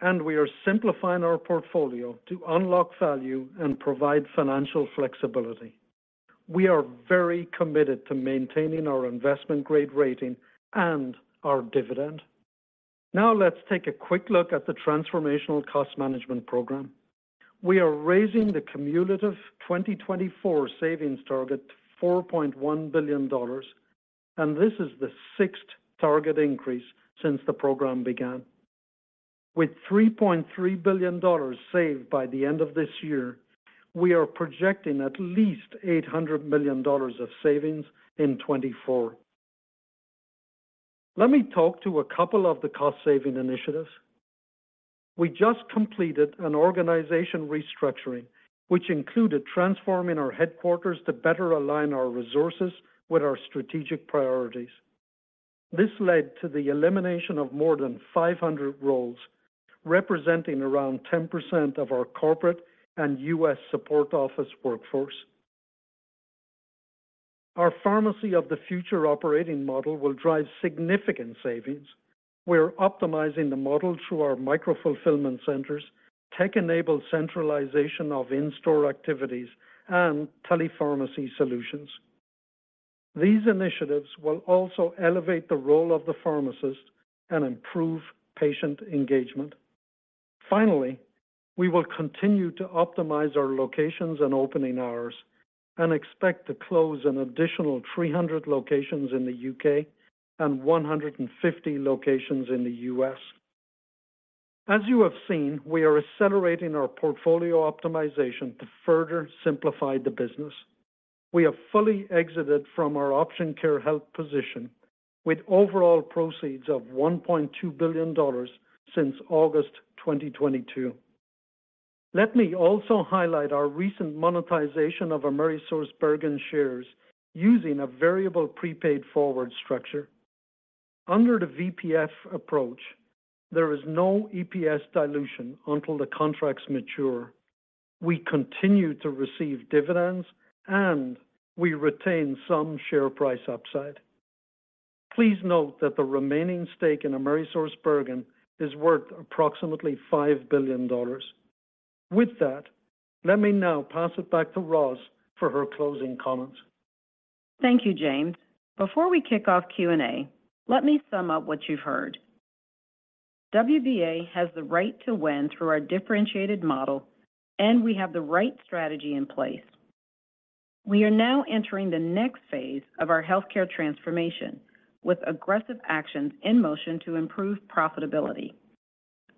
S4: and we are simplifying our portfolio to unlock value and provide financial flexibility. We are very committed to maintaining our investment-grade rating and our dividend. Let's take a quick look at the Transformational Cost Management program. We are raising the cumulative 2024 savings target to $4.1 billion, and this is the sixth target increase since the program began. With $3.3 billion saved by the end of this year, we are projecting at least $800 million of savings in 2024. Let me talk to a couple of the cost-saving initiatives. We just completed an organization restructuring, which included transforming our headquarters to better align our resources with our strategic priorities. This led to the elimination of more than 500 roles, representing around 10% of our corporate and US support office workforce. Our Pharmacy of the Future operating model will drive significant savings. We're optimizing the model through our micro-fulfillment centers, tech-enabled centralization of in-store activities, and telepharmacy solutions. These initiatives will also elevate the role of the pharmacist and improve patient engagement. Finally, we will continue to optimize our locations and opening hours and expect to close an additional 300 locations in the U.K. and 150 locations in the U.S. As you have seen, we are accelerating our portfolio optimization to further simplify the business. We have fully exited from our Option Care Health position, with overall proceeds of $1.2 billion since August 2022. Let me also highlight our recent monetization of AmerisourceBergen shares using a variable prepaid forward structure. Under the VPF approach, there is no EPS dilution until the contracts mature. We continue to receive dividends, and we retain some share price upside. Please note that the remaining stake in AmerisourceBergen is worth approximately $5 billion. With that, let me now pass it back to Rosalind for her closing comments.
S3: Thank you, James. Before we kick off Q&A, let me sum up what you've heard. WBA has the right to win through our differentiated model, and we have the right strategy in place. We are now entering the next phase of our healthcare transformation, with aggressive actions in motion to improve profitability.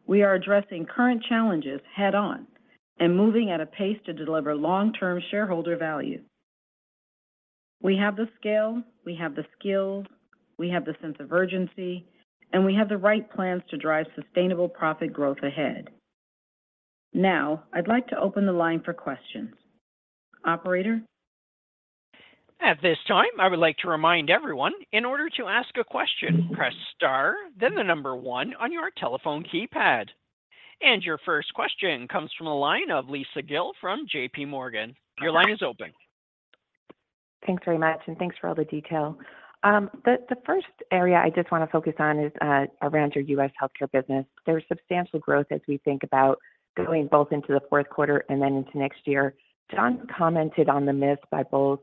S3: We are addressing current challenges head-on and moving at a pace to deliver long-term shareholder value. We have the scale, we have the skill, we have the sense of urgency, and we have the right plans to drive sustainable profit growth ahead. Now, I'd like to open the line for questions. Operator?
S1: At this time, I would like to remind everyone, in order to ask a question, press Star, then the 1 on your telephone keypad. Your first question comes from the line of Lisa Gill from JPMorgan. Your line is open.
S6: Thanks very much, and thanks for all the detail. The first area I just want to focus on is around your US healthcare business. There's substantial growth as we think about going both into the fourth quarter and then into next year. John commented on the miss by both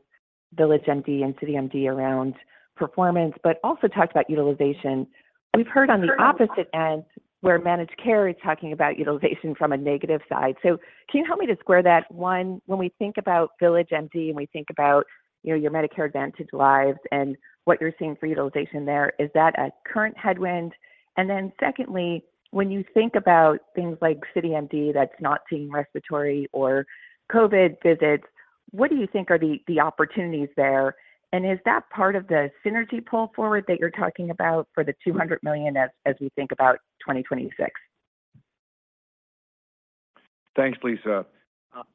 S6: VillageMD and CityMD around performance, but also talked about utilization. We've heard on the opposite end, where managed care is talking about utilization from a negative side. Can you help me to square that? One, when we think about VillageMD, and we think about, you know, your Medicare Advantage lives and what you're seeing for utilization there, is that a current headwind? Secondly, when you think about things like CityMD that's not seeing respiratory or COVID-19 visits, what do you think are the opportunities there? Is that part of the synergy pull forward that you're talking about for the $200 million as we think about 2026?
S5: Thanks, Lisa.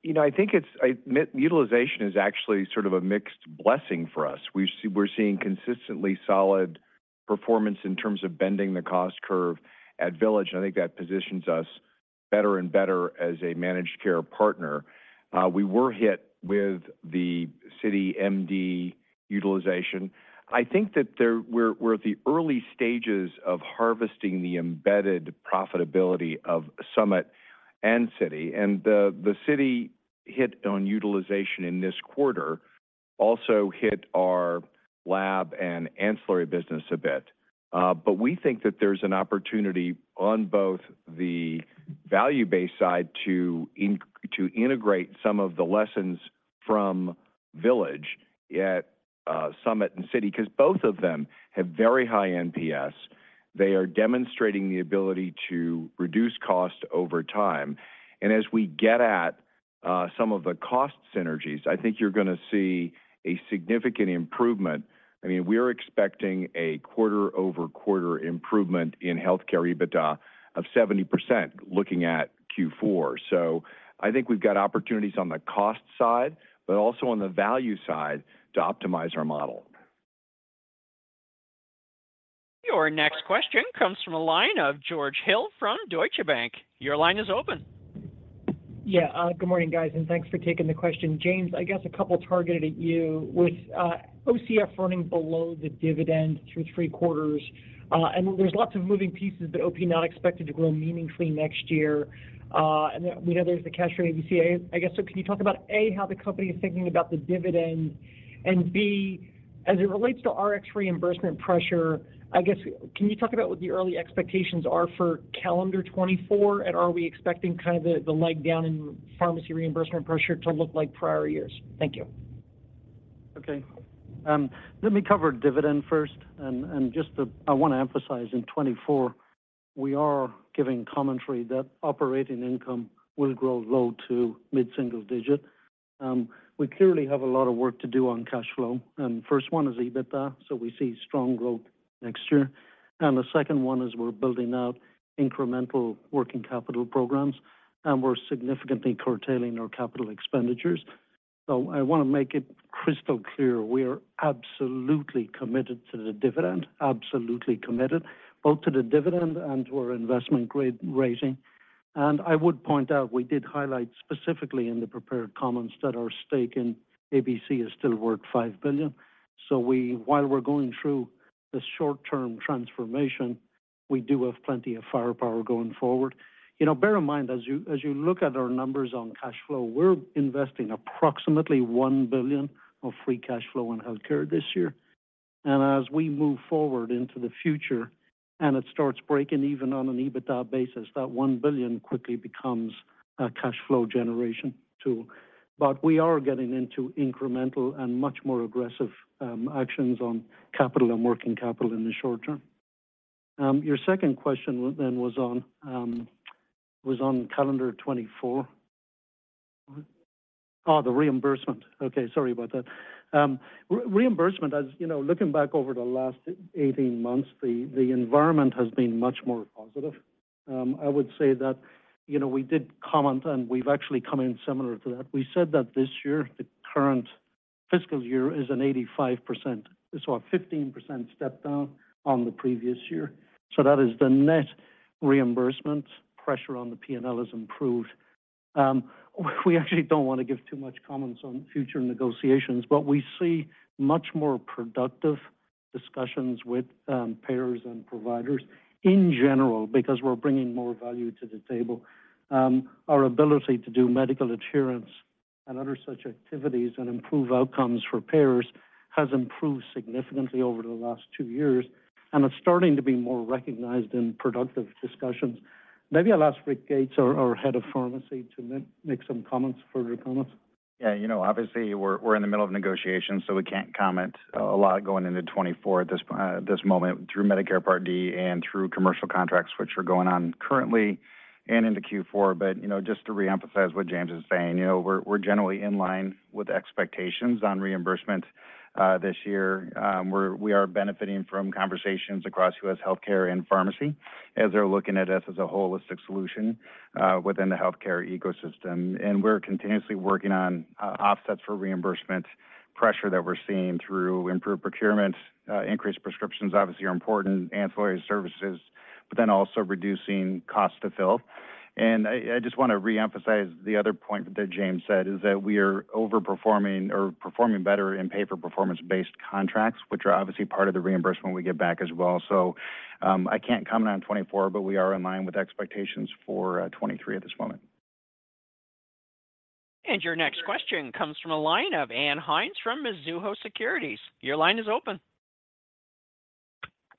S5: You know, I think it's a utilization is actually sort of a mixed blessing for us. We're seeing consistently solid performance in terms of bending the cost curve at Village, and I think that positions us better and better as a managed care partner. We were hit with the CityMD utilization. I think that We're at the early stages of harvesting the embedded profitability of Summit and City, and the City hit on utilization in this quarter also hit our lab and ancillary business a bit. But we think that there's an opportunity on both the value-based side to integrate some of the lessons from Village at Summit and City, 'cause both of them have very high NPS. They are demonstrating the ability to reduce cost over time. As we get at some of the cost synergies, I think you're gonna see a significant improvement. I mean, we're expecting a quarter-over-quarter improvement in healthcare EBITDA of 70% looking at Q4. I think we've got opportunities on the cost side, but also on the value side to optimize our model.
S1: Your next question comes from the line of George Hill from Deutsche Bank. Your line is open.
S7: Yeah, good morning, guys, and thanks for taking the question. James, I guess a couple targeted at you. With OCF running below the dividend through three quarters, and there's lots of moving pieces, the OP not expected to grow meaningfully next year, and then we know there's the cash for AmerisourceBergen. I guess, so can you talk about, A, how the company is thinking about the dividend, and B, as it relates to Rx reimbursement pressure, I guess, can you talk about what the early expectations are for calendar 2024? Are we expecting kind of the leg down in pharmacy reimbursement pressure to look like prior years? Thank you.
S4: Okay. let me cover dividend first, and I wanna emphasize, in 2024, we are giving commentary that operating income will grow low to mid-single digit. we clearly have a lot of work to do on cash flow, and first one is EBITDA, so we see strong growth next year. The second one is we're building out incremental working capital programs, and we're significantly curtailing our capital expenditures. I wanna make it crystal clear, we are absolutely committed to the dividend, absolutely committed, both to the dividend and to our investment-grade rating. I would point out, we did highlight specifically in the prepared comments that our stake in AmerisourceBergen is still worth $5 billion. While we're going through this short-term transformation, we do have plenty of firepower going forward. You know, bear in mind, as you look at our numbers on cash flow, we're investing approximately $1 billion of free cash flow in healthcare this year. As we move forward into the future, and it starts breaking even on an EBITDA basis, that $1 billion quickly becomes a cash flow generation tool. We are getting into incremental and much more aggressive actions on capital and working capital in the short term. Your second question was on calendar 2024. The reimbursement. Okay, sorry about that. Reimbursement, as you know, looking back over the last 18 months, the environment has been much more positive. I would say that, you know, we did comment, and we've actually come in similar to that. We said that this year, the current fiscal year is an 85%. A 15% step down on the previous year. That is the net reimbursement pressure on the P&L has improved. We actually don't want to give too much comments on future negotiations, but we see much more productive discussions with payers and providers in general, because we're bringing more value to the table. Our ability to do medical adherence and other such activities and improve outcomes for payers has improved significantly over the last two years, and it's starting to be more recognized in productive discussions. Maybe I'll ask Rick Gates, our head of pharmacy, to make some comments, further comments.
S8: Yeah, you know, obviously, we're in the middle of negotiations, so we can't comment a lot going into 2024 at this moment through Medicare Part D and through commercial contracts, which are going on currently and into Q4. you know, just to reemphasize what James is saying, you know, we're generally in line with expectations on reimbursement this year. We are benefiting from conversations across US Healthcare and Pharmacy as they're looking at us as a holistic solution within the healthcare ecosystem. We're continuously working on offsets for reimbursement pressure that we're seeing through improved procurement. Increased prescriptions obviously are important, ancillary services, but then also reducing cost to fill. I just want to reemphasize the other point that James said, is that we are overperforming or performing better in pay-for-performance-based contracts, which are obviously part of the reimbursement we get back as well. I can't comment on 2024, but we are in line with expectations for 2023 at this moment.
S1: Your next question comes from a line of Ann Hynes from Mizuho Securities. Your line is open.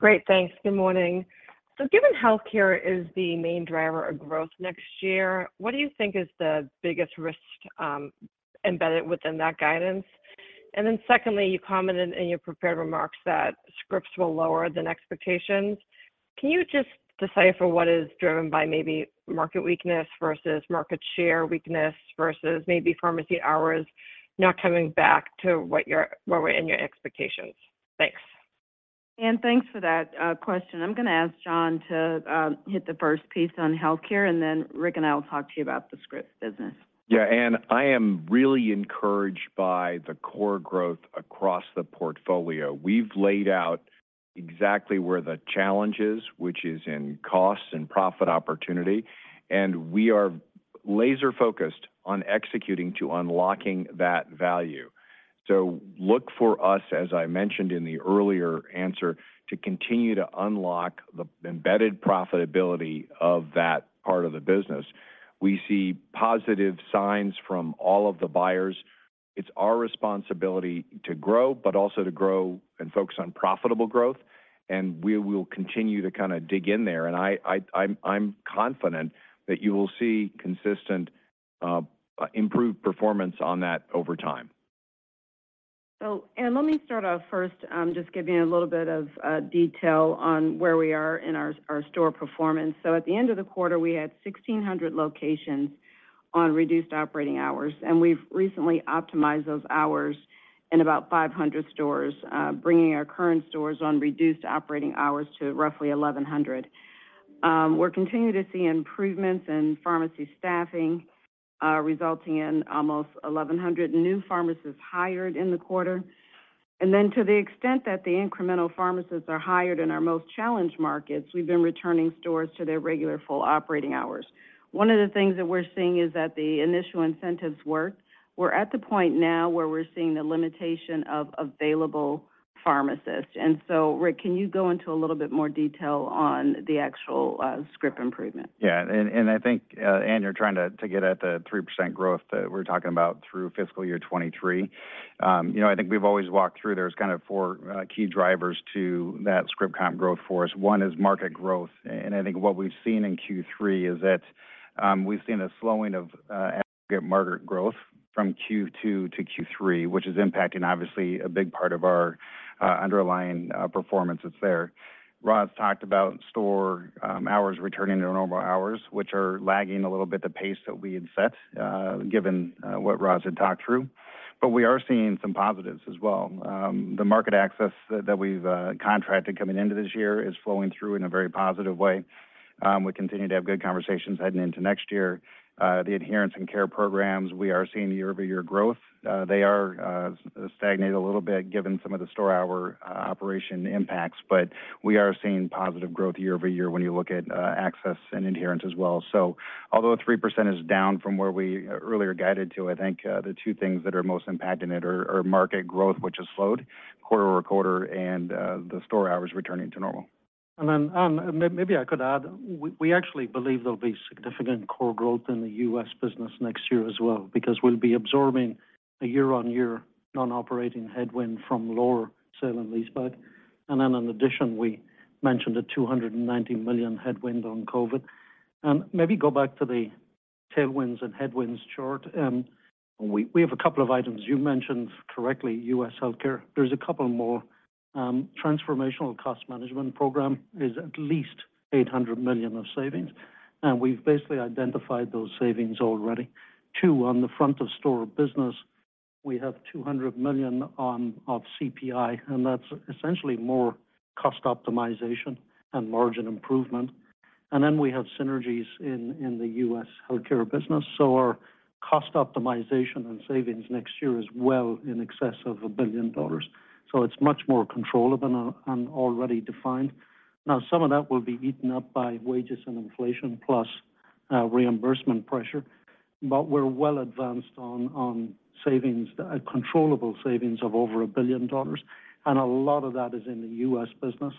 S9: Great, thanks. Good morning. Given healthcare is the main driver of growth next year, what do you think is the biggest risk embedded within that guidance? Secondly, you commented in your prepared remarks that scripts were lower than expectations. Can you just decipher what is driven by maybe market weakness versus market share weakness, versus maybe pharmacy hours not coming back to where we're in your expectations? Thanks.
S3: Ann, thanks for that question. I'm going to ask John to hit the first piece on healthcare, then Rick and I will talk to you about the scripts business.
S5: Yeah, Ann, I am really encouraged by the core growth across the portfolio. We've laid out exactly where the challenge is, which is in cost and profit opportunity. We are laser-focused on executing to unlocking that value. Look for us, as I mentioned in the earlier answer, to continue to unlock the embedded profitability of that part of the business. We see positive signs from all of the buyers. It's our responsibility to grow, but also to grow and focus on profitable growth. We will continue to kind of dig in there. I'm confident that you will see consistent improved performance on that over time.
S3: Ann, let me start off first, just giving you a little bit of detail on where we are in our store performance. At the end of the quarter, we had 1,600 locations on reduced operating hours, and we've recently optimized those hours in about 500 stores, bringing our current stores on reduced operating hours to roughly 1,100. We're continuing to see improvements in pharmacy staffing, resulting in almost 1,100 new pharmacists hired in the quarter. To the extent that the incremental pharmacists are hired in our most challenged markets, we've been returning stores to their regular full operating hours. One of the things that we're seeing is that the initial incentives work. We're at the point now where we're seeing the limitation of available pharmacists. Rick, can you go into a little bit more detail on the actual script improvement?
S8: Yeah, and I think Ann, you're trying to get at the 3% growth that we're talking about through fiscal year 2023. You know, I think we've always walked through, there's kind of four key drivers to that script comp growth for us. One is market growth, and I think what we've seen in Q3 is that we've seen a slowing of market growth from Q2 to Q3, which is impacting obviously a big part of our underlying performances there. Rosalind talked about store hours returning to normal hours, which are lagging a little bit, the pace that we had set, given what Rosalind had talked through. We are seeing some positives as well. The market access that we've contracted coming into this year is flowing through in a very positive way. We continue to have good conversations heading into next year. The adherence and care programs, we are seeing year-over-year growth. They are stagnated a little bit given some of the store hour operation impacts, but we are seeing positive growth year-over-year when you look at access and adherence as well. Although 3% is down from where we earlier guided to, I think, the two things that are most impacting it are market growth, which has slowed quarter-over-quarter, and the store hours returning to normal.
S4: Ann, maybe I could add, we actually believe there'll be significant core growth in the US Business next year as well, because we'll be absorbing a year-on-year non-operating headwind from lower sale and leaseback. In addition, we mentioned a $290 million headwind on COVID. Maybe go back to the tailwinds and headwinds chart. We have a couple of items. You mentioned correctly, US Healthcare. There's a couple more. Transformational Cost Management Program is at least $800 million of savings, and we've basically identified those savings already. Two, on the front of store business, we have $200 million of CPI, and that's essentially more cost optimization and margin improvement. We have synergies in the US Healthcare Business. Our cost optimization and savings next year is well in excess of $1 billion. It's much more controllable and already defined. Now, some of that will be eaten up by wages and inflation, plus reimbursement pressure. We're well advanced on savings, a controllable savings of over $1 billion, and a lot of that is in the US Business.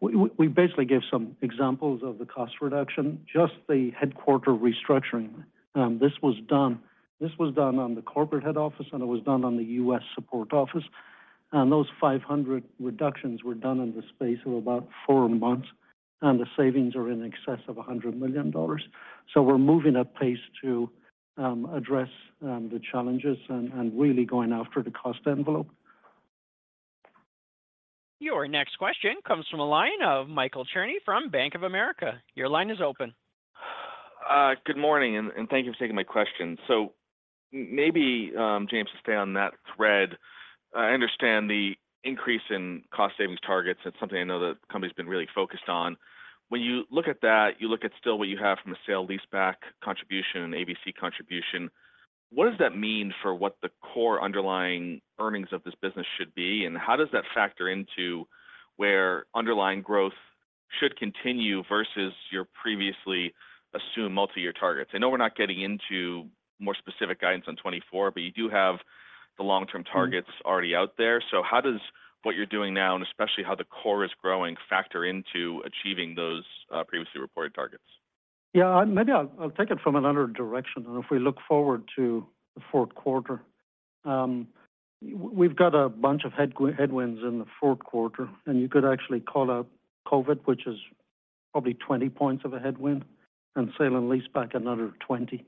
S4: We basically gave some examples of the cost reduction, just the headquarter restructuring. This was done on the corporate head office, and it was done on the US Support Office. Those 500 reductions were done in the space of about four months, and the savings are in excess of $100 million. We're moving at pace to address the challenges and really going after the cost envelope.
S1: Your next question comes from the line of Michael Cherny from Bank of America. Your line is open.
S10: Good morning, and thank you for taking my question. Maybe, James, to stay on that thread, I understand the increase in cost savings targets. It's something I know the company's been really focused on. When you look at that, you look at still what you have from a sale leaseback contribution, and AmerisourceBergen contribution. What does that mean for what the core underlying earnings of this business should be, and how does that factor into where underlying growth should continue versus your previously assumed multi-year targets? I know we're not getting into more specific guidance on 2024, but you do have the long-term targets already out there. How does what you're doing now, and especially how the core is growing, factor into achieving those previously reported targets?
S4: Yeah, maybe I'll take it from another direction. If we look forward to the fourth quarter, we've got a bunch of headwinds in the fourth quarter, and you could actually call out COVID, which is probably 20 points of a headwind, and sale and leaseback another 20.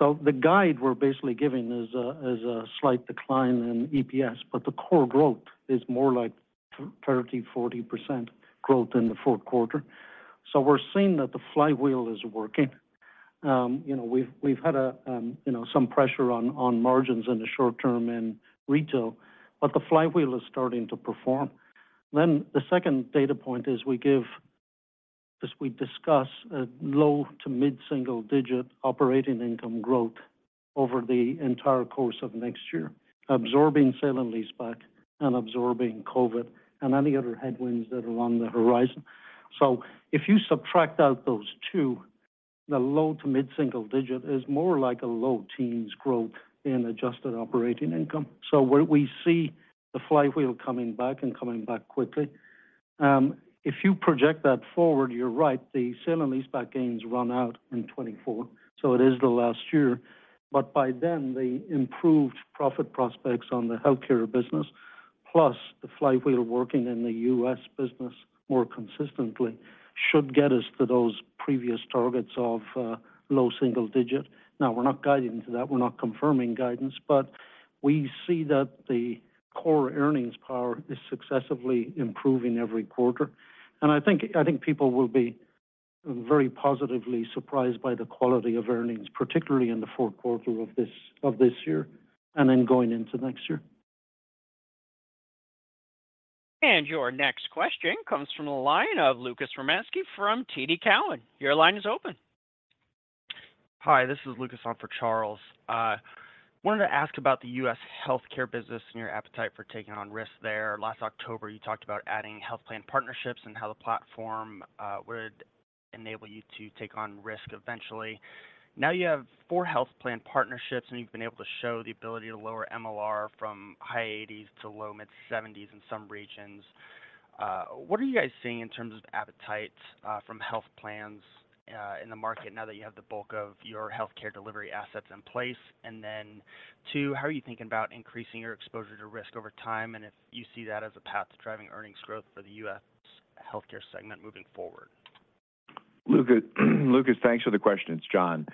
S4: The guide we're basically giving is a slight decline in EPS, but the core growth is more like 30%, 40% growth in the fourth quarter. We're seeing that the flywheel is working. You know, we've had a, you know, some pressure on margins in the short term in retail, but the flywheel is starting to perform. The second data point is we give, as we discuss, a low to mid-single digit % operating income growth over the entire course of 2024, absorbing sale and leaseback, and absorbing COVID, and any other headwinds that are on the horizon. If you subtract out those two, the low to mid-single digit % is more like a low teens % growth in adjusted operating income. Where we see the flywheel coming back and coming back quickly, if you project that forward, you're right, the sale and leaseback gains run out in 2024, so it is the last year. By then, the improved profit prospects on the healthcare business, plus the flywheel working in the US Business more consistently, should get us to those previous targets of low single digit %. We're not guiding to that, we're not confirming guidance, but we see that the core earnings power is successively improving every quarter. I think people will be very positively surprised by the quality of earnings, particularly in the fourth quarter of this year, and then going into next year.
S1: Your next question comes from the line of Lucas Romanski from TD Cowen. Your line is open.
S11: Hi, this is Lucas Romanski on for Charles Rhyee. wanted to ask about the US healthcare business and your appetite for taking on risk there. Last October, you talked about adding health plan partnerships and how the platform would enable you to take on risk eventually. Now, you have four health plan partnerships, and you've been able to show the ability to lower MLR from high 80s to low mid-70s in some regions. What are you guys seeing in terms of appetite from health plans in the market now that you have the bulk of your healthcare delivery assets in place? Two, how are you thinking about increasing your exposure to risk over time, and if you see that as a path to driving earnings growth for the US Healthcare segment moving forward?
S5: Lucas, thanks for the questions. It's John.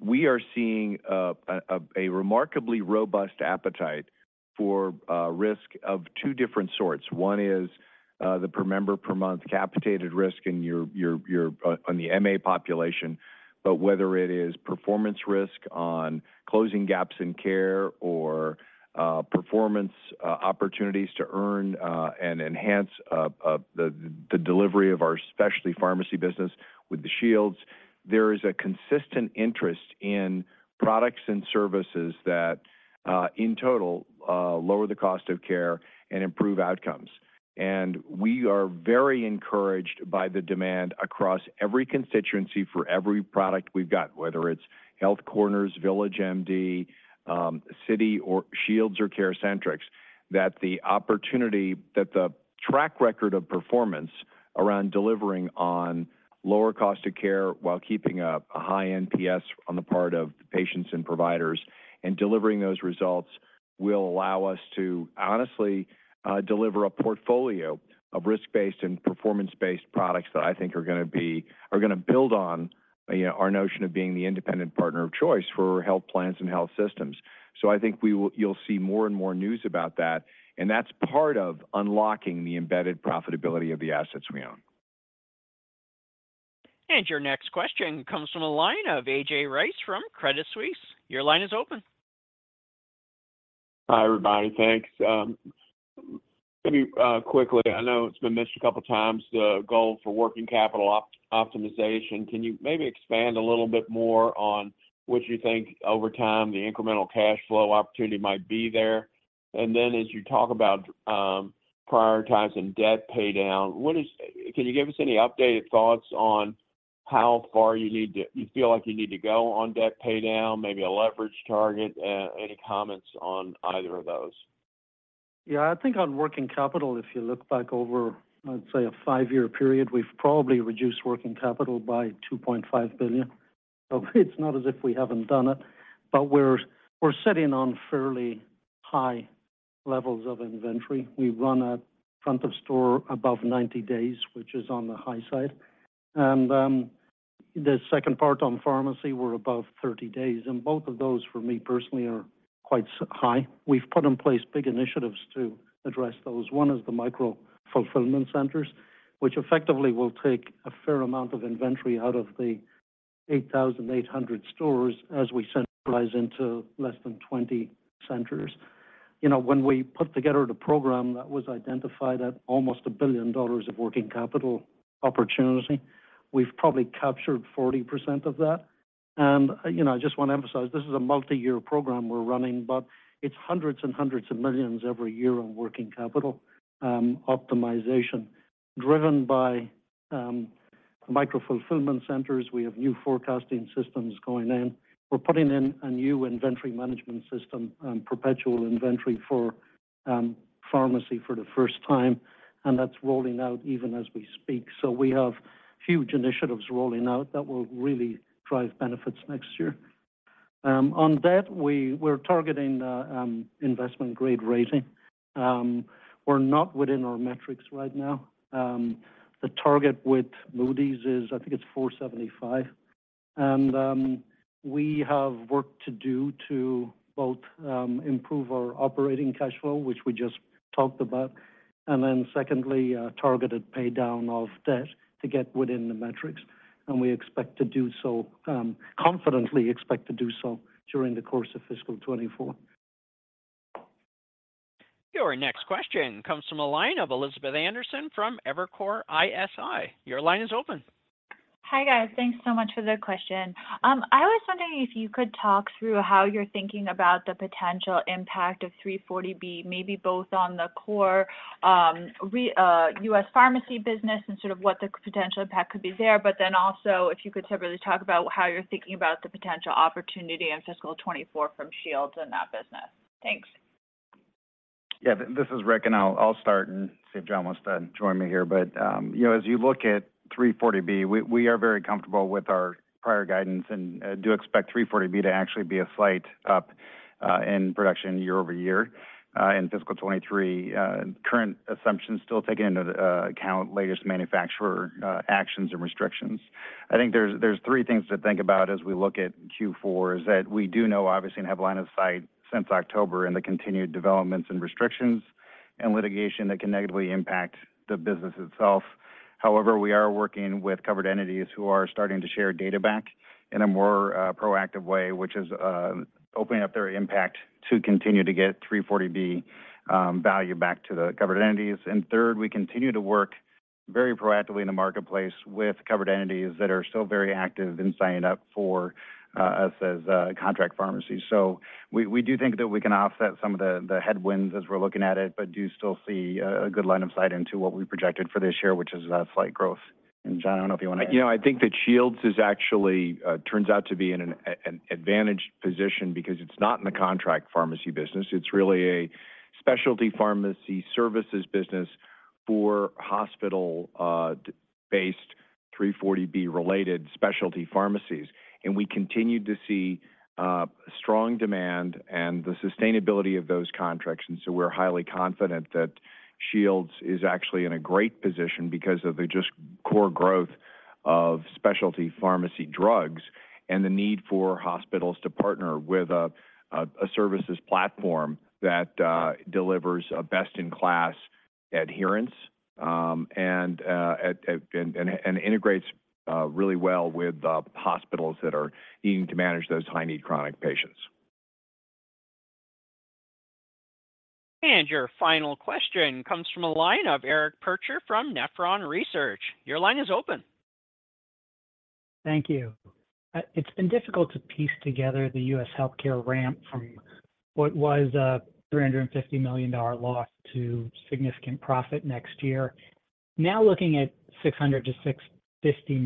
S5: We are seeing a remarkably robust appetite for risk of two different sorts. One is the per member per month capitated risk in your on the MA population. Whether it is performance risk on closing gaps in care, or performance opportunities to earn and enhance the delivery of our specialty pharmacy business with the Shields, there is a consistent interest in products and services that in total lower the cost of care and improve outcomes. We are very encouraged by the demand across every constituency for every product we've got, whether it's Health Corners, VillageMD, CityMD or Shields Health Solutions or CareCentrix, that the track record of performance around delivering on lower cost of care while keeping a high NPS on the part of the patients and providers, and delivering those results will allow us to honestly deliver a portfolio of risk-based and performance-based products that I think are gonna build on, you know, our notion of being the independent partner of choice for health plans and health systems. I think you'll see more and more news about that, and that's part of unlocking the embedded profitability of the assets we own.
S1: Your next question comes from the line of A.J. Rice from Credit Suisse. Your line is open.
S12: Hi, everybody. Thanks. Maybe quickly, I know it's been mentioned a couple of times, the goal for working capital optimization. Can you maybe expand a little bit more on what you think over time, the incremental cash flow opportunity might be there? Then as you talk about prioritizing debt paydown, can you give us any updated thoughts on how far you need to, you feel like you need to go on debt paydown, maybe a leverage target? Any comments on either of those?
S4: Yeah, I think on working capital, if you look back over, let's say, a five-year period, we've probably reduced working capital by $2.5 billion. It's not as if we haven't done it, but we're sitting on fairly high levels of inventory. We run a front of store above 90 days, which is on the high side. The second part on pharmacy, we're above 30 days, and both of those, for me personally, are quite high. We've put in place big initiatives to address those. One is the micro-fulfillment centers, which effectively will take a fair amount of inventory out of the 8,800 stores as we centralize into less than 20 centers. You know, when we put together the program, that was identified at almost a $1 billion of working capital opportunity, we've probably captured 40% of that. You know, I just want to emphasize, this is a multi-year program we're running, but it's hundreds and hundreds of millions every year on working capital optimization, driven by micro-fulfillment centers. We have new forecasting systems going in. We're putting in a new inventory management system and perpetual inventory for pharmacy for the first time, and that's rolling out even as we speak. We have huge initiatives rolling out that will really drive benefits next year. On debt, we're targeting investment-grade rating. We're not within our metrics right now. The target with Moody's is, I think it's 4.75. We have work to do to both improve our operating cash flow, which we just talked about, and then secondly, a targeted paydown of debt to get within the metrics, and we expect to do so, confidently expect to do so during the course of fiscal 24.
S1: Your next question comes from a line of Elizabeth Anderson from Evercore ISI. Your line is open.
S13: Hi, guys. Thanks so much for the question. I was wondering if you could talk through how you're thinking about the potential impact of 340B, maybe both on the core US Pharmacy Business and sort of what the potential impact could be there. Also, if you could separately talk about how you're thinking about the potential opportunity in fiscal 2024 from Shields in that business. Thanks.
S8: Yeah, this is Rick, and I'll start and see if John wants to join me here. You know, as you look at 340B, we are very comfortable with our prior guidance and do expect 340B to actually be a slight up in production year-over-year in fiscal 2023. Current assumptions still take into account latest manufacturer actions and restrictions. I think there's three things to think about as we look at Q4, is that we do know, obviously, and have line of sight since October in the continued developments and restrictions and litigation that can negatively impact the business itself. However, we are working with covered entities who are starting to share data back in a more proactive way, which is opening up their impact to continue to get 340B value back to the covered entities. Third, we continue to work very proactively in the marketplace with covered entities that are still very active in signing up for us as contract pharmacies. We, we do think that we can offset some of the headwinds as we're looking at it, but do still see a good line of sight into what we projected for this year, which is a slight growth. John, I don't know if you want to.
S5: You know, I think that Shields is actually an advantaged position because it's not in the contract pharmacy business. It's really a specialty pharmacy services business for hospital-based 340B-related specialty pharmacies. We continue to see strong demand and the sustainability of those contracts, so we're highly confident that Shields is actually in a great position because of the just core growth of specialty pharmacy drugs and the need for hospitals to partner with a services platform that delivers a best-in-class adherence and integrates really well with the hospitals that are needing to manage those high-need chronic patients.
S1: Your final question comes from a line of Eric Percher from Nephron Research. Your line is open.
S14: Thank you. It's been difficult to piece together the US Healthcare ramp from what was a $350 million loss to significant profit next year. Now, looking at $600 million-$650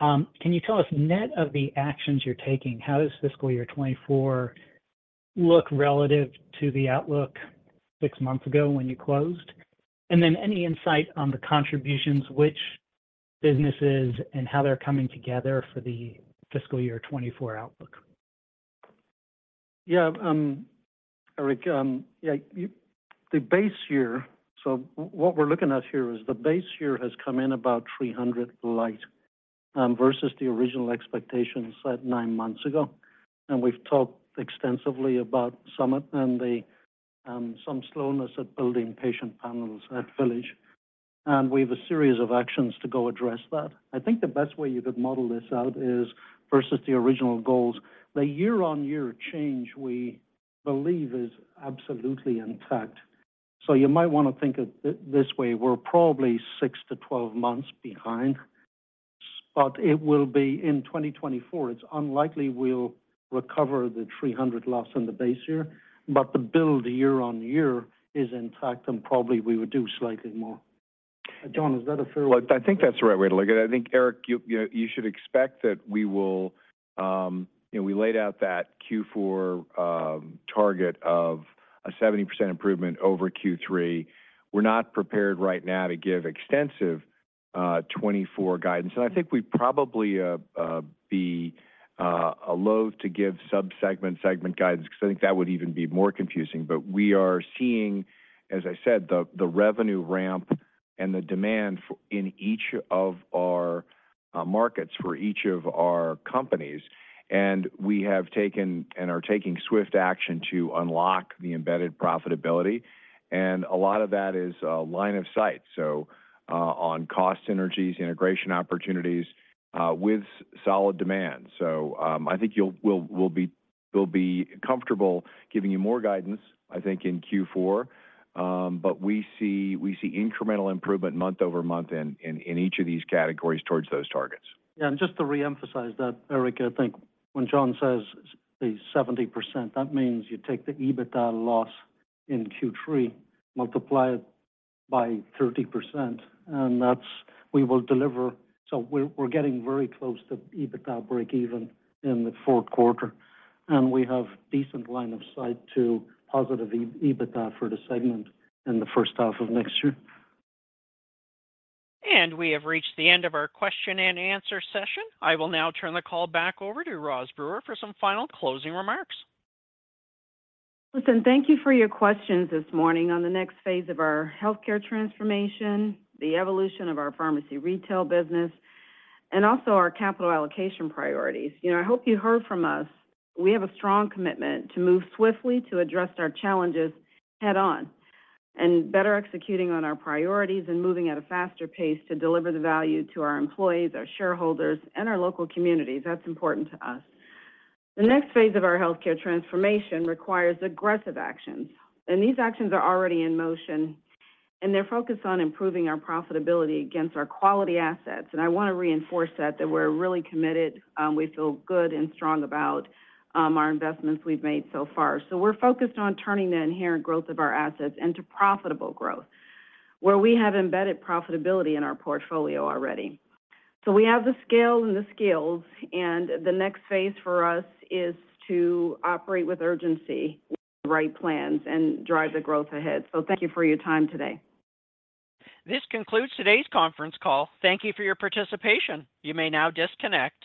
S14: million, can you tell us, net of the actions you're taking, how does fiscal year 2024 look relative to the outlook six months ago when you closed? Any insight on the contributions, which businesses and how they're coming together for the fiscal year 2024 outlook?
S4: Yeah, Eric, yeah, the base year, so what we're looking at here is the base year has come in about $300 light versus the original expectations set nine months ago. We've talked extensively about Summit and some slowness at building patient panels at Village, and we have a series of actions to go address that. I think the best way you could model this out is versus the original goals. The year-on-year change, we believe, is absolutely intact. You might want to think of it this way: we're probably six to 12 months behind, but it will be in 2024. It's unlikely we'll recover the $300 loss in the base year, but the build year-on-year is intact, and probably we would do slightly more. John, is that a fair way?
S5: Well, I think that's the right way to look at it. I think, Eric, you should expect that we will, you know, we laid out that Q4 target of a 70% improvement over Q3. We're not prepared right now to give extensive 2024 guidance, I think we'd probably be loathe to give sub-segment, segment guidance because I think that would even be more confusing. We are seeing, as I said, the revenue ramp and the demand for in each of our markets for each of our companies, and we have taken and are taking swift action to unlock the embedded profitability. A lot of that is line of sight, so on cost synergies, integration opportunities, with solid demand. I think we'll be comfortable giving you more guidance, I think, in Q4. We see incremental improvement month-over-month in each of these categories towards those targets.
S4: Yeah, just to reemphasize that, Eric, I think when John says a 70%, that means you take the EBITDA loss in Q3, multiply it by 30%. We will deliver. We're getting very close to EBITDA breakeven in the fourth quarter, and we have decent line of sight to positive EBITDA for the segment in the first half of next year.
S1: We have reached the end of our question-and-answer session. I will now turn the call back over to Rosalind Brewer for some final closing remarks.
S3: Listen, thank you for your questions this morning on the next phase of our healthcare transformation, the evolution of our pharmacy retail business, also our capital allocation priorities. You know, I hope you heard from us, we have a strong commitment to move swiftly to address our challenges head-on, better executing on our priorities and moving at a faster pace to deliver the value to our employees, our shareholders, and our local communities. That's important to us. The next phase of our healthcare transformation requires aggressive actions. These actions are already in motion. They're focused on improving our profitability against our quality assets. I want to reinforce that we're really committed, we feel good and strong about our investments we've made so far. We're focused on turning the inherent growth of our assets into profitable growth, where we have embedded profitability in our portfolio already. We have the scale and the skills, and the next phase for us is to operate with urgency, with the right plans, and drive the growth ahead. Thank you for your time today.
S1: This concludes today's conference call. Thank you for your participation. You may now disconnect.